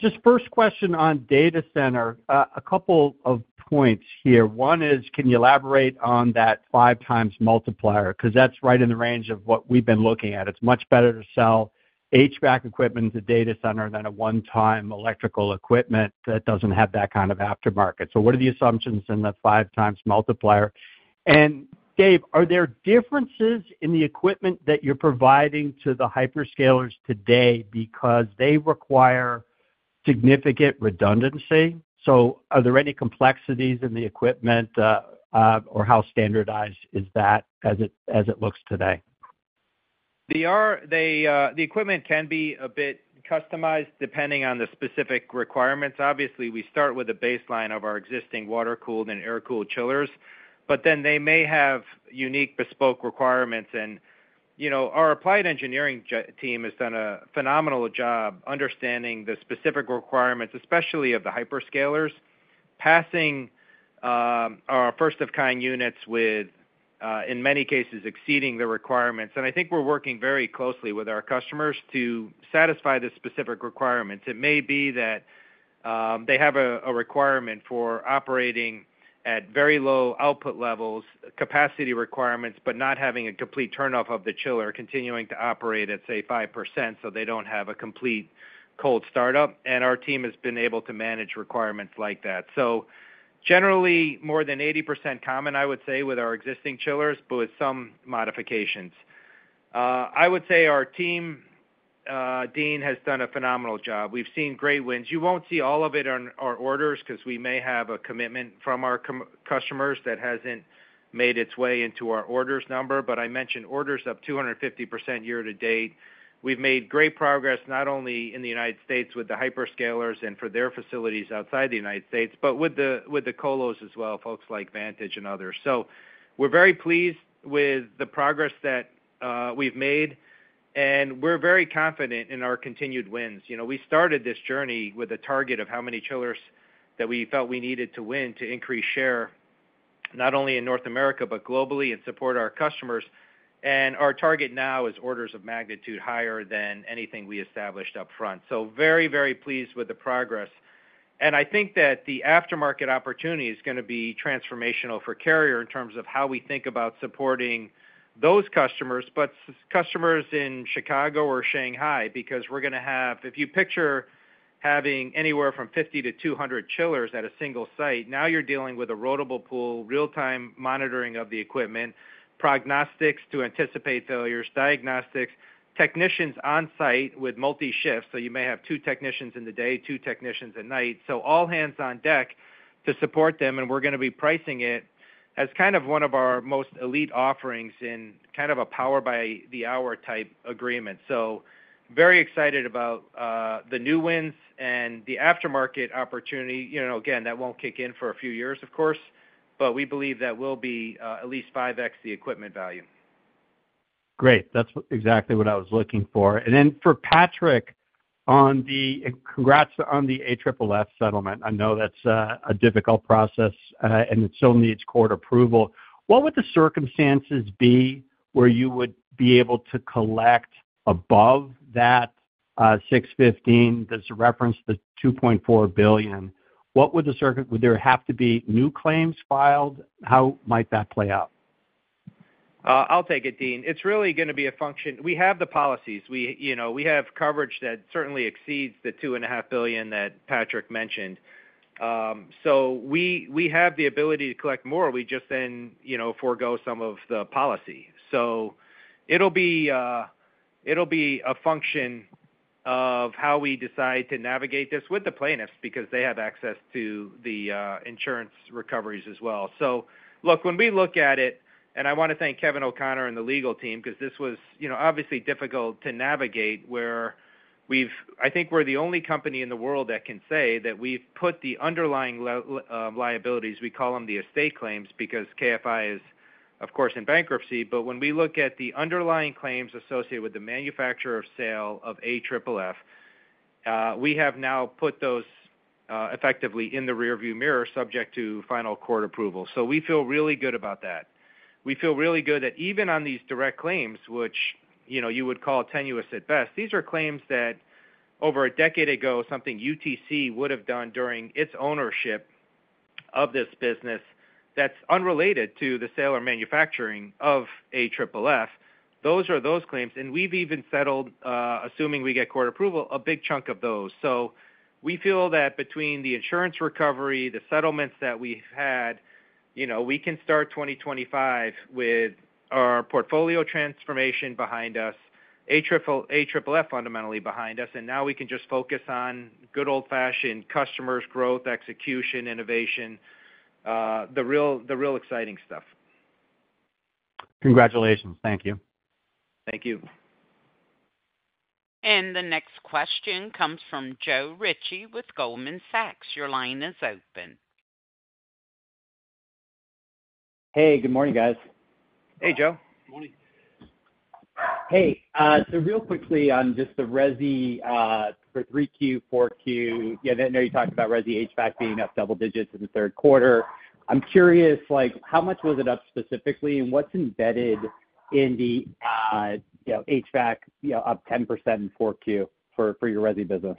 Just first question on data center. A couple of points here. One is, can you elaborate on that 5x multiplier? 'Cause that's right in the range of what we've been looking at. It's much better to sell HVAC equipment to data center than a one-time electrical equipment that doesn't have that kind of aftermarket. So what are the assumptions in the 5x multiplier? And Dave, are there differences in the equipment that you're providing to the hyperscalers today because they require significant redundancy? So are there any complexities in the equipment, or how standardized is that as it looks today? The equipment can be a bit customized, depending on the specific requirements. Obviously, we start with a baseline of our existing water-cooled and air-cooled chillers, but then they may have unique bespoke requirements. You know, our applied engineering team has done a phenomenal job understanding the specific requirements, especially of the hyperscalers, passing our first-of-kind units with, in many cases, exceeding the requirements. I think we're working very closely with our customers to satisfy the specific requirements. It may be that they have a requirement for operating at very low output levels, capacity requirements, but not having a complete turnoff of the chiller, continuing to operate at, say, 5%, so they don't have a complete cold startup, and our team has been able to manage requirements like that. So generally, more than 80% common, I would say, with our existing chillers, but with some modifications. I would say our team, Deane, has done a phenomenal job. We've seen great wins. You won't see all of it on our orders, 'cause we may have a commitment from our customers that hasn't made its way into our orders number, but I mentioned orders up 250% year-to-date. We've made great progress, not only in the United States with the hyperscalers and for their facilities outside the United States, but with the colos as well, folks like Vantage and others. So we're very pleased with the progress that we've made, and we're very confident in our continued wins. You know, we started this journey with a target of how many chillers that we felt we needed to win to increase share, not only in North America, but globally, and support our customers. And our target now is orders of magnitude higher than anything we established up front. So very, very pleased with the progress. And I think that the aftermarket opportunity is gonna be transformational for Carrier, in terms of how we think about supporting those customers, but such customers in Chicago or Shanghai, because we're gonna have. If you picture having anywhere from 50 to 200 chillers at a single site, now you're dealing with a rotable pool, real-time monitoring of the equipment, prognostics to anticipate failures, diagnostics, technicians on site with multi shifts. So you may have two technicians in the day, two technicians at night. So all hands on deck to support them, and we're gonna be pricing it as kind of one of our most elite offerings in kind of a power by the hour type agreement. So very excited about the new wins and the aftermarket opportunity. You know, again, that won't kick in for a few years, of course, but we believe that will be at least 5x the equipment value. Great. That's exactly what I was looking for. And then for Patrick, congrats on the AFFF settlement. I know that's a difficult process, and it still needs court approval. What would the circumstances be where you would be able to collect above that $615 million? Does it reference the $2.4 billion? Would there have to be new claims filed? How might that play out? I'll take it, Deane. It's really gonna be a function. We have the policies. We, you know, we have coverage that certainly exceeds the $2.5 billion that Patrick mentioned. So we, we have the ability to collect more. We just then, you know, forego some of the policy. So it'll be, it'll be a function of how we decide to navigate this with the plaintiffs, because they have access to the insurance recoveries as well. So look, when we look at it, and I wanna thank Kevin O'Connor and the legal team, because this was, you know, obviously difficult to navigate, where we've. I think we're the only company in the world that can say that we've put the underlying liabilities, we call them the estate claims, because KFI is, of course, in bankruptcy. But when we look at the underlying claims associated with the manufacture or sale of AFFF, we have now put those, effectively in the rearview mirror, subject to final court approval. So we feel really good about that. We feel really good that even on these direct claims, which, you know, you would call tenuous at best, these are claims that over a decade ago, something UTC would have done during its ownership of this business that's unrelated to the sale or manufacturing of AFFF. Those are those claims, and we've even settled, assuming we get court approval, a big chunk of those. So we feel that between the insurance recovery, the settlements that we've had, you know, we can start 2025 with our portfolio transformation behind us, AFFF, AFFF fundamentally behind us, and now we can just focus on good old-fashioned customers, growth, execution, innovation, the real, the real exciting stuff. Congratulations. Thank you. Thank you. The next question comes from Joe Ritchie with Goldman Sachs. Your line is open. Hey, good morning, guys. Hey, Joe. Good morning. Hey, so real quickly on just the resi for 3Q, 4Q. Yeah, I know you talked about resi HVAC being up double digits in the third quarter. I'm curious, like, how much was it up specifically, and what's embedded in the, you know, HVAC, you know, up 10% in 4Q for, for your resi business?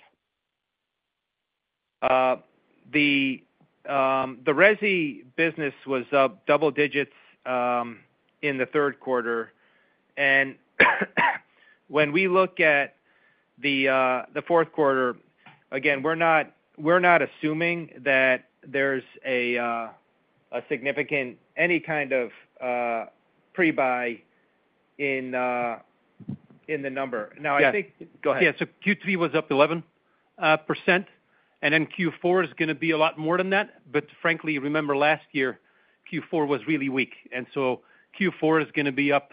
The resi business was up double digits in the third quarter. And when we look at the fourth quarter, again, we're not assuming that there's a significant any kind of pre-buy in the number. Yeah. Now, I think... Go ahead. Yeah, so Q3 was up 11%, and then Q4 is gonna be a lot more than that. But frankly, remember last year, Q4 was really weak, and so Q4 is gonna be up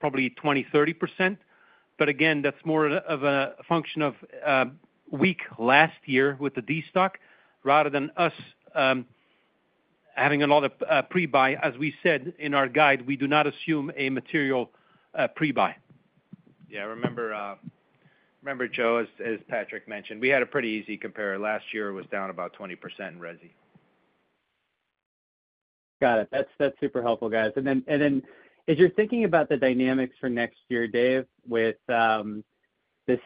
probably 20-30%. But again, that's more of a function of weak last year with the destock, rather than us having a lot of pre-buy. As we said in our guide, we do not assume a material pre-buy. Yeah, remember, Joe, as Patrick mentioned, we had a pretty easy compare. Last year was down about 20% in resi. Got it. That's, that's super helpful, guys. And then, and then as you're thinking about the dynamics for next year, Dave, with this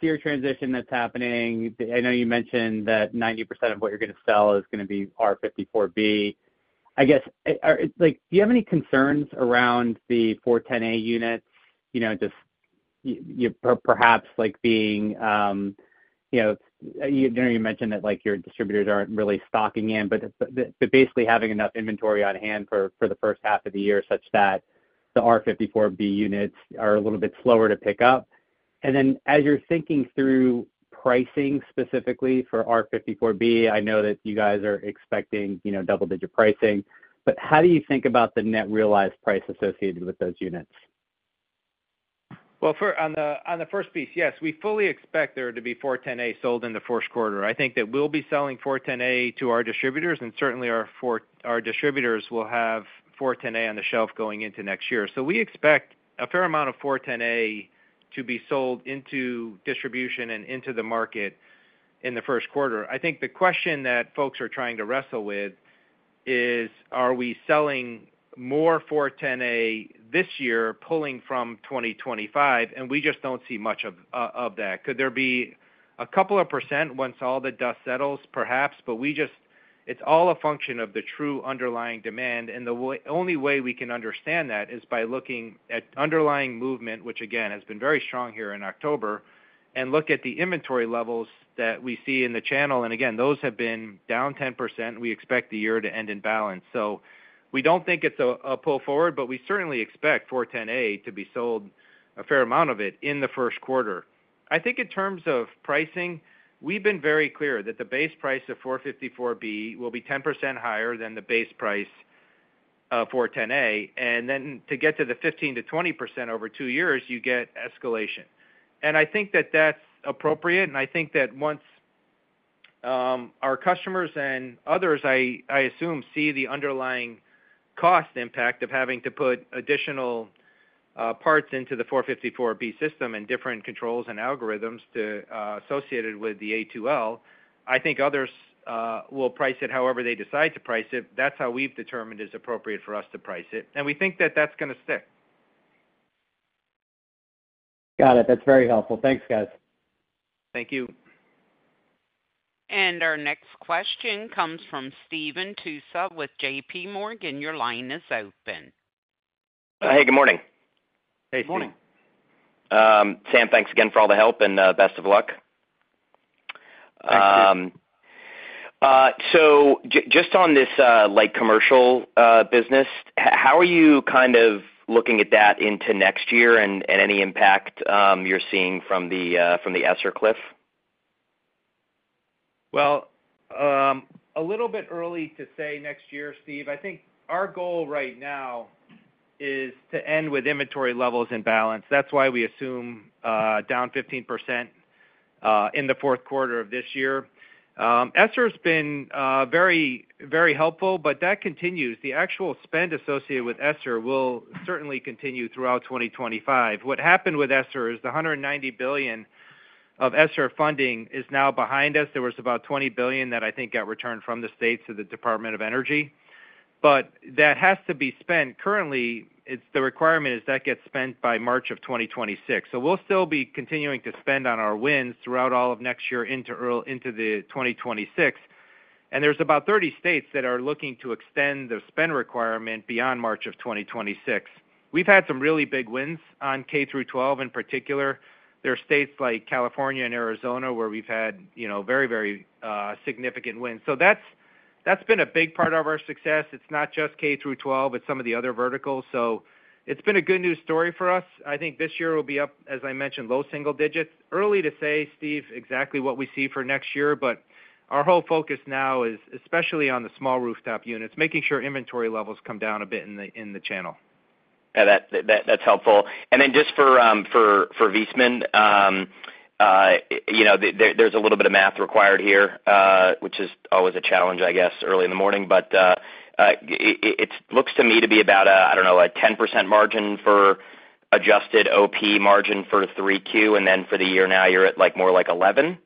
SEER transition that's happening, I know you mentioned that 90% of what you're gonna sell is gonna be R-454B. I guess, like, do you have any concerns around the R-410A units? You know, just perhaps like being, you know, I know you mentioned that, like, your distributors aren't really stocking in, but basically having enough inventory on hand for the first half of the year, such that the R-454B units are a little bit slower to pick up. And then, as you're thinking through pricing, specifically for R-454B, I know that you guys are expecting, you know, double-digit pricing, but how do you think about the net realized price associated with those units? Well, first on the, on the first piece, yes, we fully expect there to be 410A sold in the first quarter. I think that we'll be selling 410A to our distributors, and certainly our distributors will have 410A on the shelf going into next year. So we expect a fair amount of 410A to be sold into distribution and into the market in the first quarter. I think the question that folks are trying to wrestle with is: Are we selling more 410A this year, pulling from 2025? And we just don't see much of that. Could there be a couple of percent once all the dust settles? Perhaps, but It's all a function of the true underlying demand, and the only way we can understand that is by looking at underlying movement, which, again, has been very strong here in October, and look at the inventory levels that we see in the channel. And again, those have been down 10%. We expect the year to end in balance. So we don't think it's a pull forward, but we certainly expect 410A to be sold, a fair amount of it, in the first quarter. I think in terms of pricing, we've been very clear that the base price of 454B will be 10% higher than the base price, 410A, and then to get to the 15%-20% over two years, you get escalation. And I think that that's appropriate, and I think that once our customers and others, I, I assume, see the underlying cost impact of having to put additional parts into the 454B system and different controls and algorithms to associated with the A2L, I think others will price it however they decide to price it. That's how we've determined is appropriate for us to price it, and we think that that's gonna stick. Got it. That's very helpful. Thanks, guys. Thank you. Our next question comes from Stephen Tusa with JPMorgan. Your line is open. Hey, good morning. Hey, good morning. Sam, thanks again for all the help, and best of luck. So just on this, like, commercial business, how are you kind of looking at that into next year and any impact you're seeing from the ESSER cliff? Well, a little bit early to say next year, Steve. I think our goal right now is to end with inventory levels in balance. That's why we assume down 15% in the fourth quarter of this year. ESSER's been very, very helpful, but that continues. The actual spend associated with ESSER will certainly continue throughout 2025. What happened with ESSER is the $190 billion of ESSER funding is now behind us. There was about $20 billion that I think got returned from the states to the Department of Energy, but that has to be spent. Currently, it's the requirement is that gets spent by March of 2026. So we'll still be continuing to spend on our wins throughout all of next year into early into the 2026. And there's about 30 states that are looking to extend the spend requirement beyond March 2026. We've had some really big wins on K-12, in particular. There are states like California and Arizona, where we've had, you know, very, very significant wins. So that's been a big part of our success. It's not just K-12, it's some of the other verticals, so it's been a good news story for us. I think this year will be up, as I mentioned, low single digits. Early to say, Steve, exactly what we see for next year, but our whole focus now is, especially on the small rooftop units, making sure inventory levels come down a bit in the channel. Yeah, that's helpful. And then just for Viessmann, you know, there's a little bit of math required here, which is always a challenge, I guess, early in the morning. But it looks to me to be about, I don't know, a 10% margin for adjusted OP margin for 3Q, and then for the year now you're at, like, more like 11%.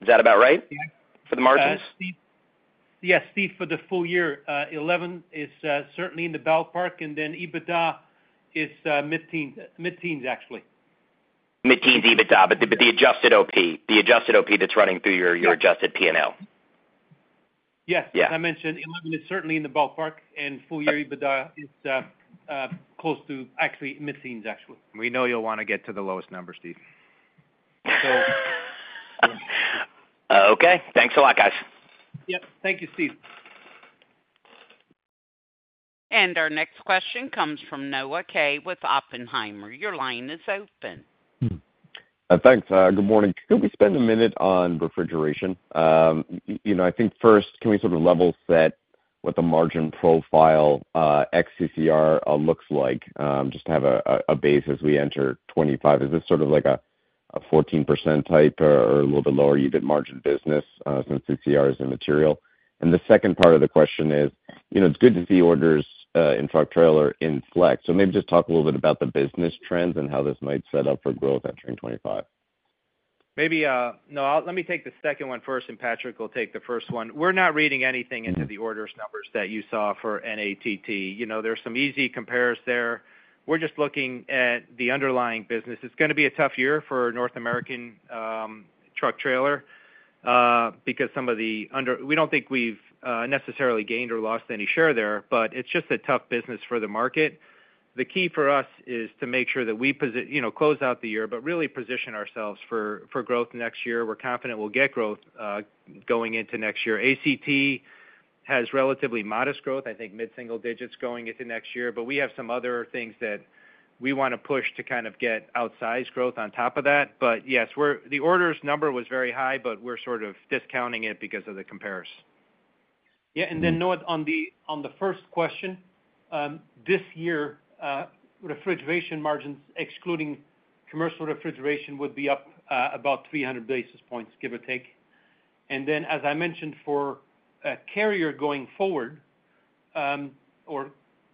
Is that about right for the margins? Yeah, Steve, for the full-year, 11% is certainly in the ballpark, and then EBITDA is mid-teen, mid-teens, actually. Mid-teens EBITDA, but the adjusted OP, the adjusted OP that's running through your- Yeah... your adjusted P&L. Yes. Yeah. As I mentioned, eleven is certainly in the ballpark, and full-year EBITDA is close to actually mid-teens, actually. We know you'll wanna get to the lowest number, Steve. Okay. Thanks a lot, guys. Yep. Thank you, Steve. Our next question comes from Noah Kaye with Oppenheimer. Your line is open. Thanks. Good morning. Could we spend a minute on refrigeration? You know, I think first, can we sort of level set what the margin profile, ex-CCR, looks like? Just to have a base as we enter 2025. Is this sort of like a 14% type or a little bit lower EBIT margin business, since CCR is immaterial? And the second part of the question is, you know, it's good to see orders in truck, trailer, and flex. So maybe just talk a little bit about the business trends and how this might set up for growth entering 2025. Maybe, no, let me take the second one first, and Patrick will take the first one. We're not reading anything into the orders numbers that you saw for NATT. You know, there are some easy compares there. We're just looking at the underlying business. It's gonna be a tough year for North American Truck & Trailer because we don't think we've necessarily gained or lost any share there, but it's just a tough business for the market. The key for us is to make sure that we position, you know, close out the year, but really position ourselves for growth next year. We're confident we'll get growth going into next year. ACT has relatively modest growth, I think mid-single digits going into next year, but we have some other things that we wanna push to kind of get outsized growth on top of that. But yes, we're, the orders number was very high, but we're sort of discounting it because of the compares. Yeah, and then, Noah, on the first question, this year, refrigeration margins, excluding Commercial Refrigeration, would be up, about 300 basis points, give or take.... And then, as I mentioned, for Carrier going forward, or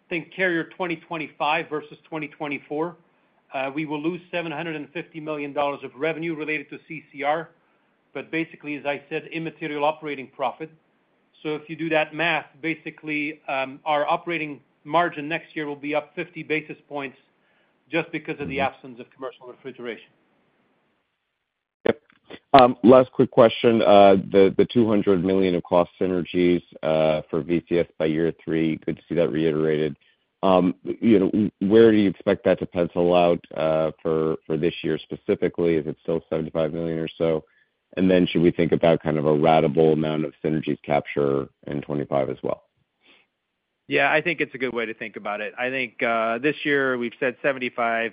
think Carrier 2025 versus 2024, we will lose $750 million of revenue related to CCR, but basically, as I said, immaterial operating profit. So if you do that math, basically, our operating margin next year will be up fifty basis points just because of the absence of Commercial Refrigeration. Yep. Last quick question: the $200 million of cost synergies for VCS by year three, good to see that reiterated. You know, where do you expect that to pencil out for this year specifically? Is it still $75 million or so? And then should we think about kind of a ratable amount of synergies capture in 2025 as well? Yeah, I think it's a good way to think about it. I think, this year we've said $75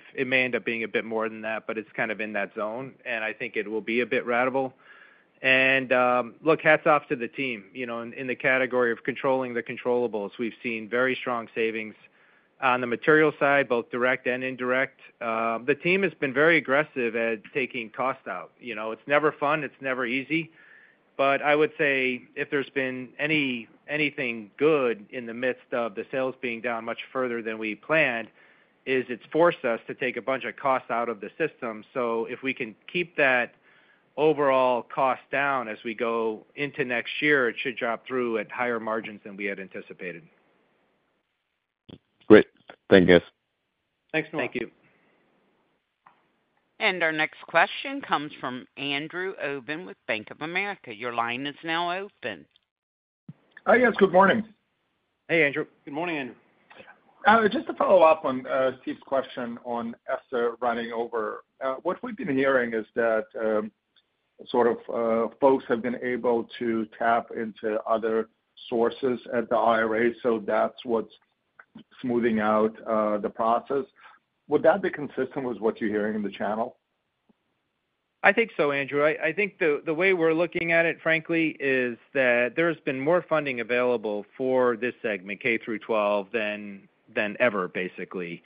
million. It may end up being a bit more than that, but it's kind of in that zone, and I think it will be a bit ratable. And, look, hats off to the team. You know, in, in the category of controlling the controllables, we've seen very strong savings on the material side, both direct and indirect. The team has been very aggressive at taking costs out. You know, it's never fun, it's never easy, but I would say if there's been anything good in the midst of the sales being down much further than we planned, is it's forced us to take a bunch of costs out of the system. So if we can keep that overall cost down as we go into next year, it should drop through at higher margins than we had anticipated. Great. Thank you, guys. Thanks, Noah. Thank you. Our next question comes from Andrew Obin with Bank of America. Your line is now open. Hi, guys. Good morning. Hey, Andrew. Good morning, Andrew. Just to follow up on Steve's question on ESSER running over. What we've been hearing is that sort of folks have been able to tap into other sources at the IRA, so that's what's smoothing out the process. Would that be consistent with what you're hearing in the channel? I think so, Andrew. I think the way we're looking at it, frankly, is that there's been more funding available for this segment, K-12, than ever, basically.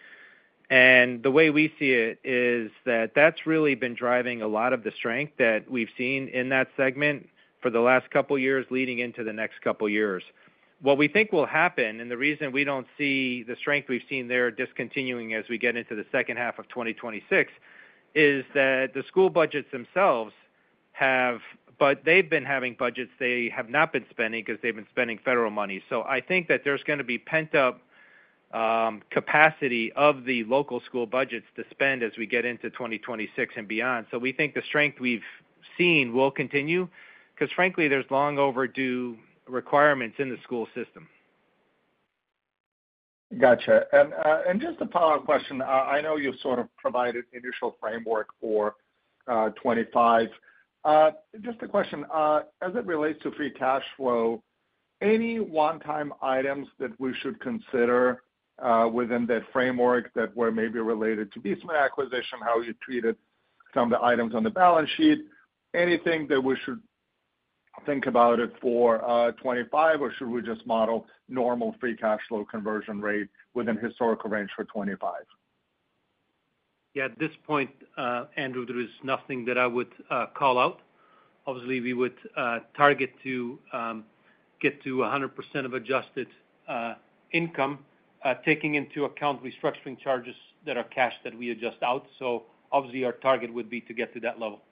And the way we see it is that that's really been driving a lot of the strength that we've seen in that segment for the last couple of years, leading into the next couple of years. What we think will happen, and the reason we don't see the strength we've seen there discontinuing as we get into the second half of 2026, is that the school budgets themselves have, but they've been having budgets they have not been spending because they've been spending federal money. So I think that there's gonna be pent-up capacity of the local school budgets to spend as we get into 2026 and beyond. So we think the strength we've seen will continue, because frankly, there's long overdue requirements in the school system. Gotcha. And just a follow-up question. I know you've sort of provided initial framework for 2025. Just a question, as it relates to free cash flow, any one-time items that we should consider within that framework that were maybe related to Viessmann acquisition, how you treated some of the items on the balance sheet? Anything that we should think about it for 2025, or should we just model normal free cash flow conversion rate within historical range for 2025? Yeah, at this point, Andrew, there is nothing that I would call out. Obviously, we would target to get to 100% of adjusted income, taking into account restructuring charges that are cash that we adjust out. So obviously, our target would be to get to that level.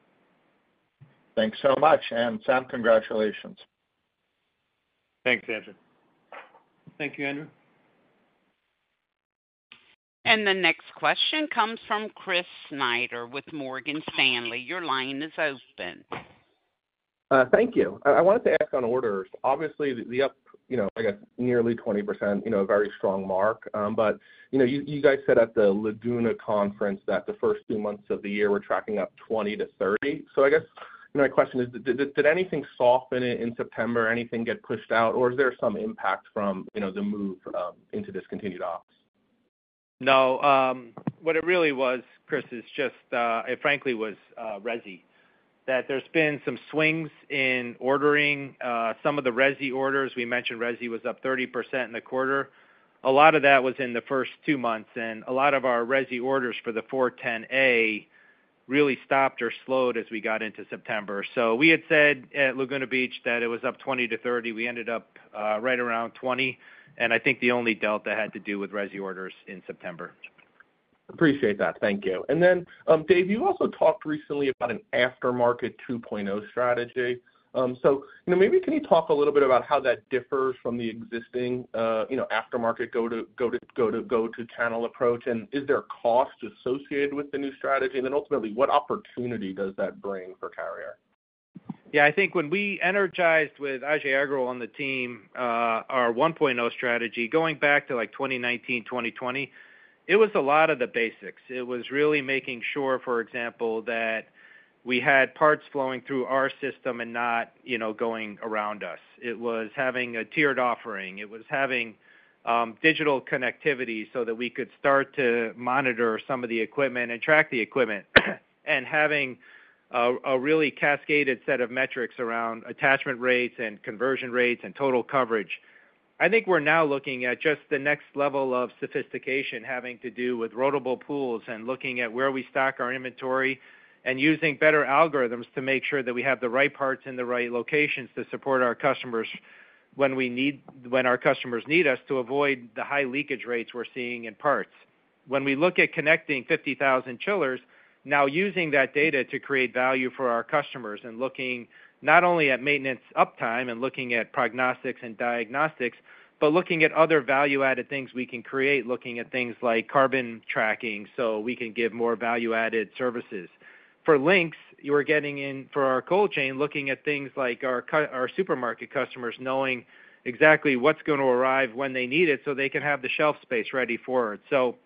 Thanks so much. And Sam, congratulations. Thanks, Andrew. Thank you, Andrew. The next question comes from Chris Snyder with Morgan Stanley. Your line is open. Thank you. I wanted to ask on orders. Obviously, the up, you know, I guess, nearly 20%, you know, a very strong mark. But, you know, you guys said at the Laguna Conference that the first two months of the year were tracking up 20% to 30%. So I guess, you know, my question is: Did anything soften in September, anything get pushed out, or is there some impact from, you know, the move into discontinued ops? No, what it really was, Chris, is just, it frankly was, resi. That there's been some swings in ordering, some of the resi orders. We mentioned resi was up 30% in the quarter. A lot of that was in the first two months, and a lot of our resi orders for the 410A really stopped or slowed as we got into September. So we had said at Laguna Beach that it was up 20% to 30%. We ended up, right around 20%, and I think the only delta had to do with resi orders in September. Appreciate that. Thank you. And then, Dave, you also talked recently about an Aftermarket 2.0 strategy. So, you know, maybe can you talk a little bit about how that differs from the existing, you know, aftermarket go-to channel approach, and is there a cost associated with the new strategy? And then ultimately, what opportunity does that bring for Carrier? Yeah, I think when we energized with Ajay Agrawal on the team, our 1.0 strategy, going back to, like, 2019, 2020, it was a lot of the basics. It was really making sure, for example, that we had parts flowing through our system and not, you know, going around us. It was having a tiered offering. It was having digital connectivity so that we could start to monitor some of the equipment and track the equipment, and having a really cascaded set of metrics around attachment rates and conversion rates and total coverage. I think we're now looking at just the next level of sophistication, having to do with rotatable pools and looking at where we stock our inventory and using better algorithms to make sure that we have the right parts in the right locations to support our customers when our customers need us, to avoid the high leakage rates we're seeing in parts. When we look at connecting 50,000 chillers, now using that data to create value for our customers and looking not only at maintenance uptime and looking at prognostics and diagnostics, but looking at other value-added things we can create, looking at things like carbon tracking, so we can give more value-added services. For Lynx, you are getting in for our cold chain, looking at things like our our supermarket customers, knowing exactly what's going to arrive, when they need it, so they can have the shelf space ready for it. So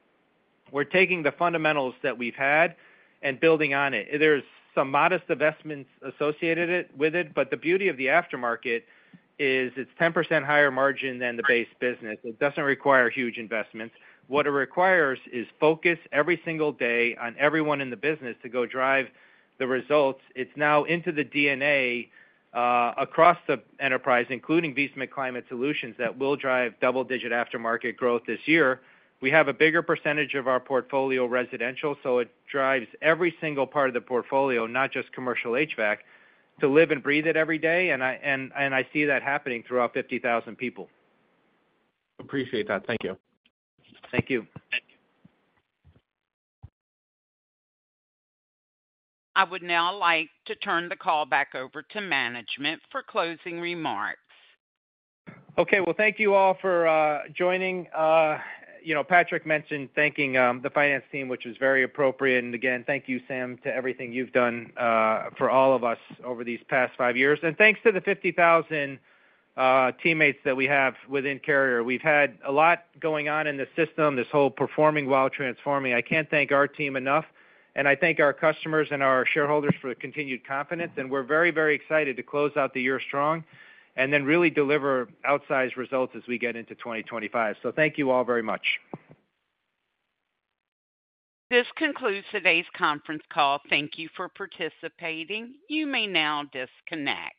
we're taking the fundamentals that we've had and building on it. There's some modest investments associated with it, but the beauty of the aftermarket is it's 10% higher margin than the base business. It doesn't require huge investments. What it requires is focus every single day on everyone in the business to go drive the results. It's now into the DNA across the enterprise, including Viessmann Climate Solutions, that will drive double-digit aftermarket growth this year. We have a bigger percentage of our portfolio residential, so it drives every single part of the portfolio, not just Commercial HVAC, to live and breathe it every day, and I see that happening throughout 50,000 people. Appreciate that. Thank you. Thank you. I would now like to turn the call back over to management for closing remarks. Okay. Well, thank you all for joining. You know, Patrick mentioned thanking the finance team, which is very appropriate. And again, thank you, Sam, to everything you've done for all of us over these past five years. And thanks to the 50,000 teammates that we have within Carrier. We've had a lot going on in the system, this whole performing while transforming. I can't thank our team enough, and I thank our customers and our shareholders for the continued confidence. And we're very, very excited to close out the year strong and then really deliver outsized results as we get into 2025. So thank you all very much. This concludes today's conference call. Thank you for participating. You may now disconnect.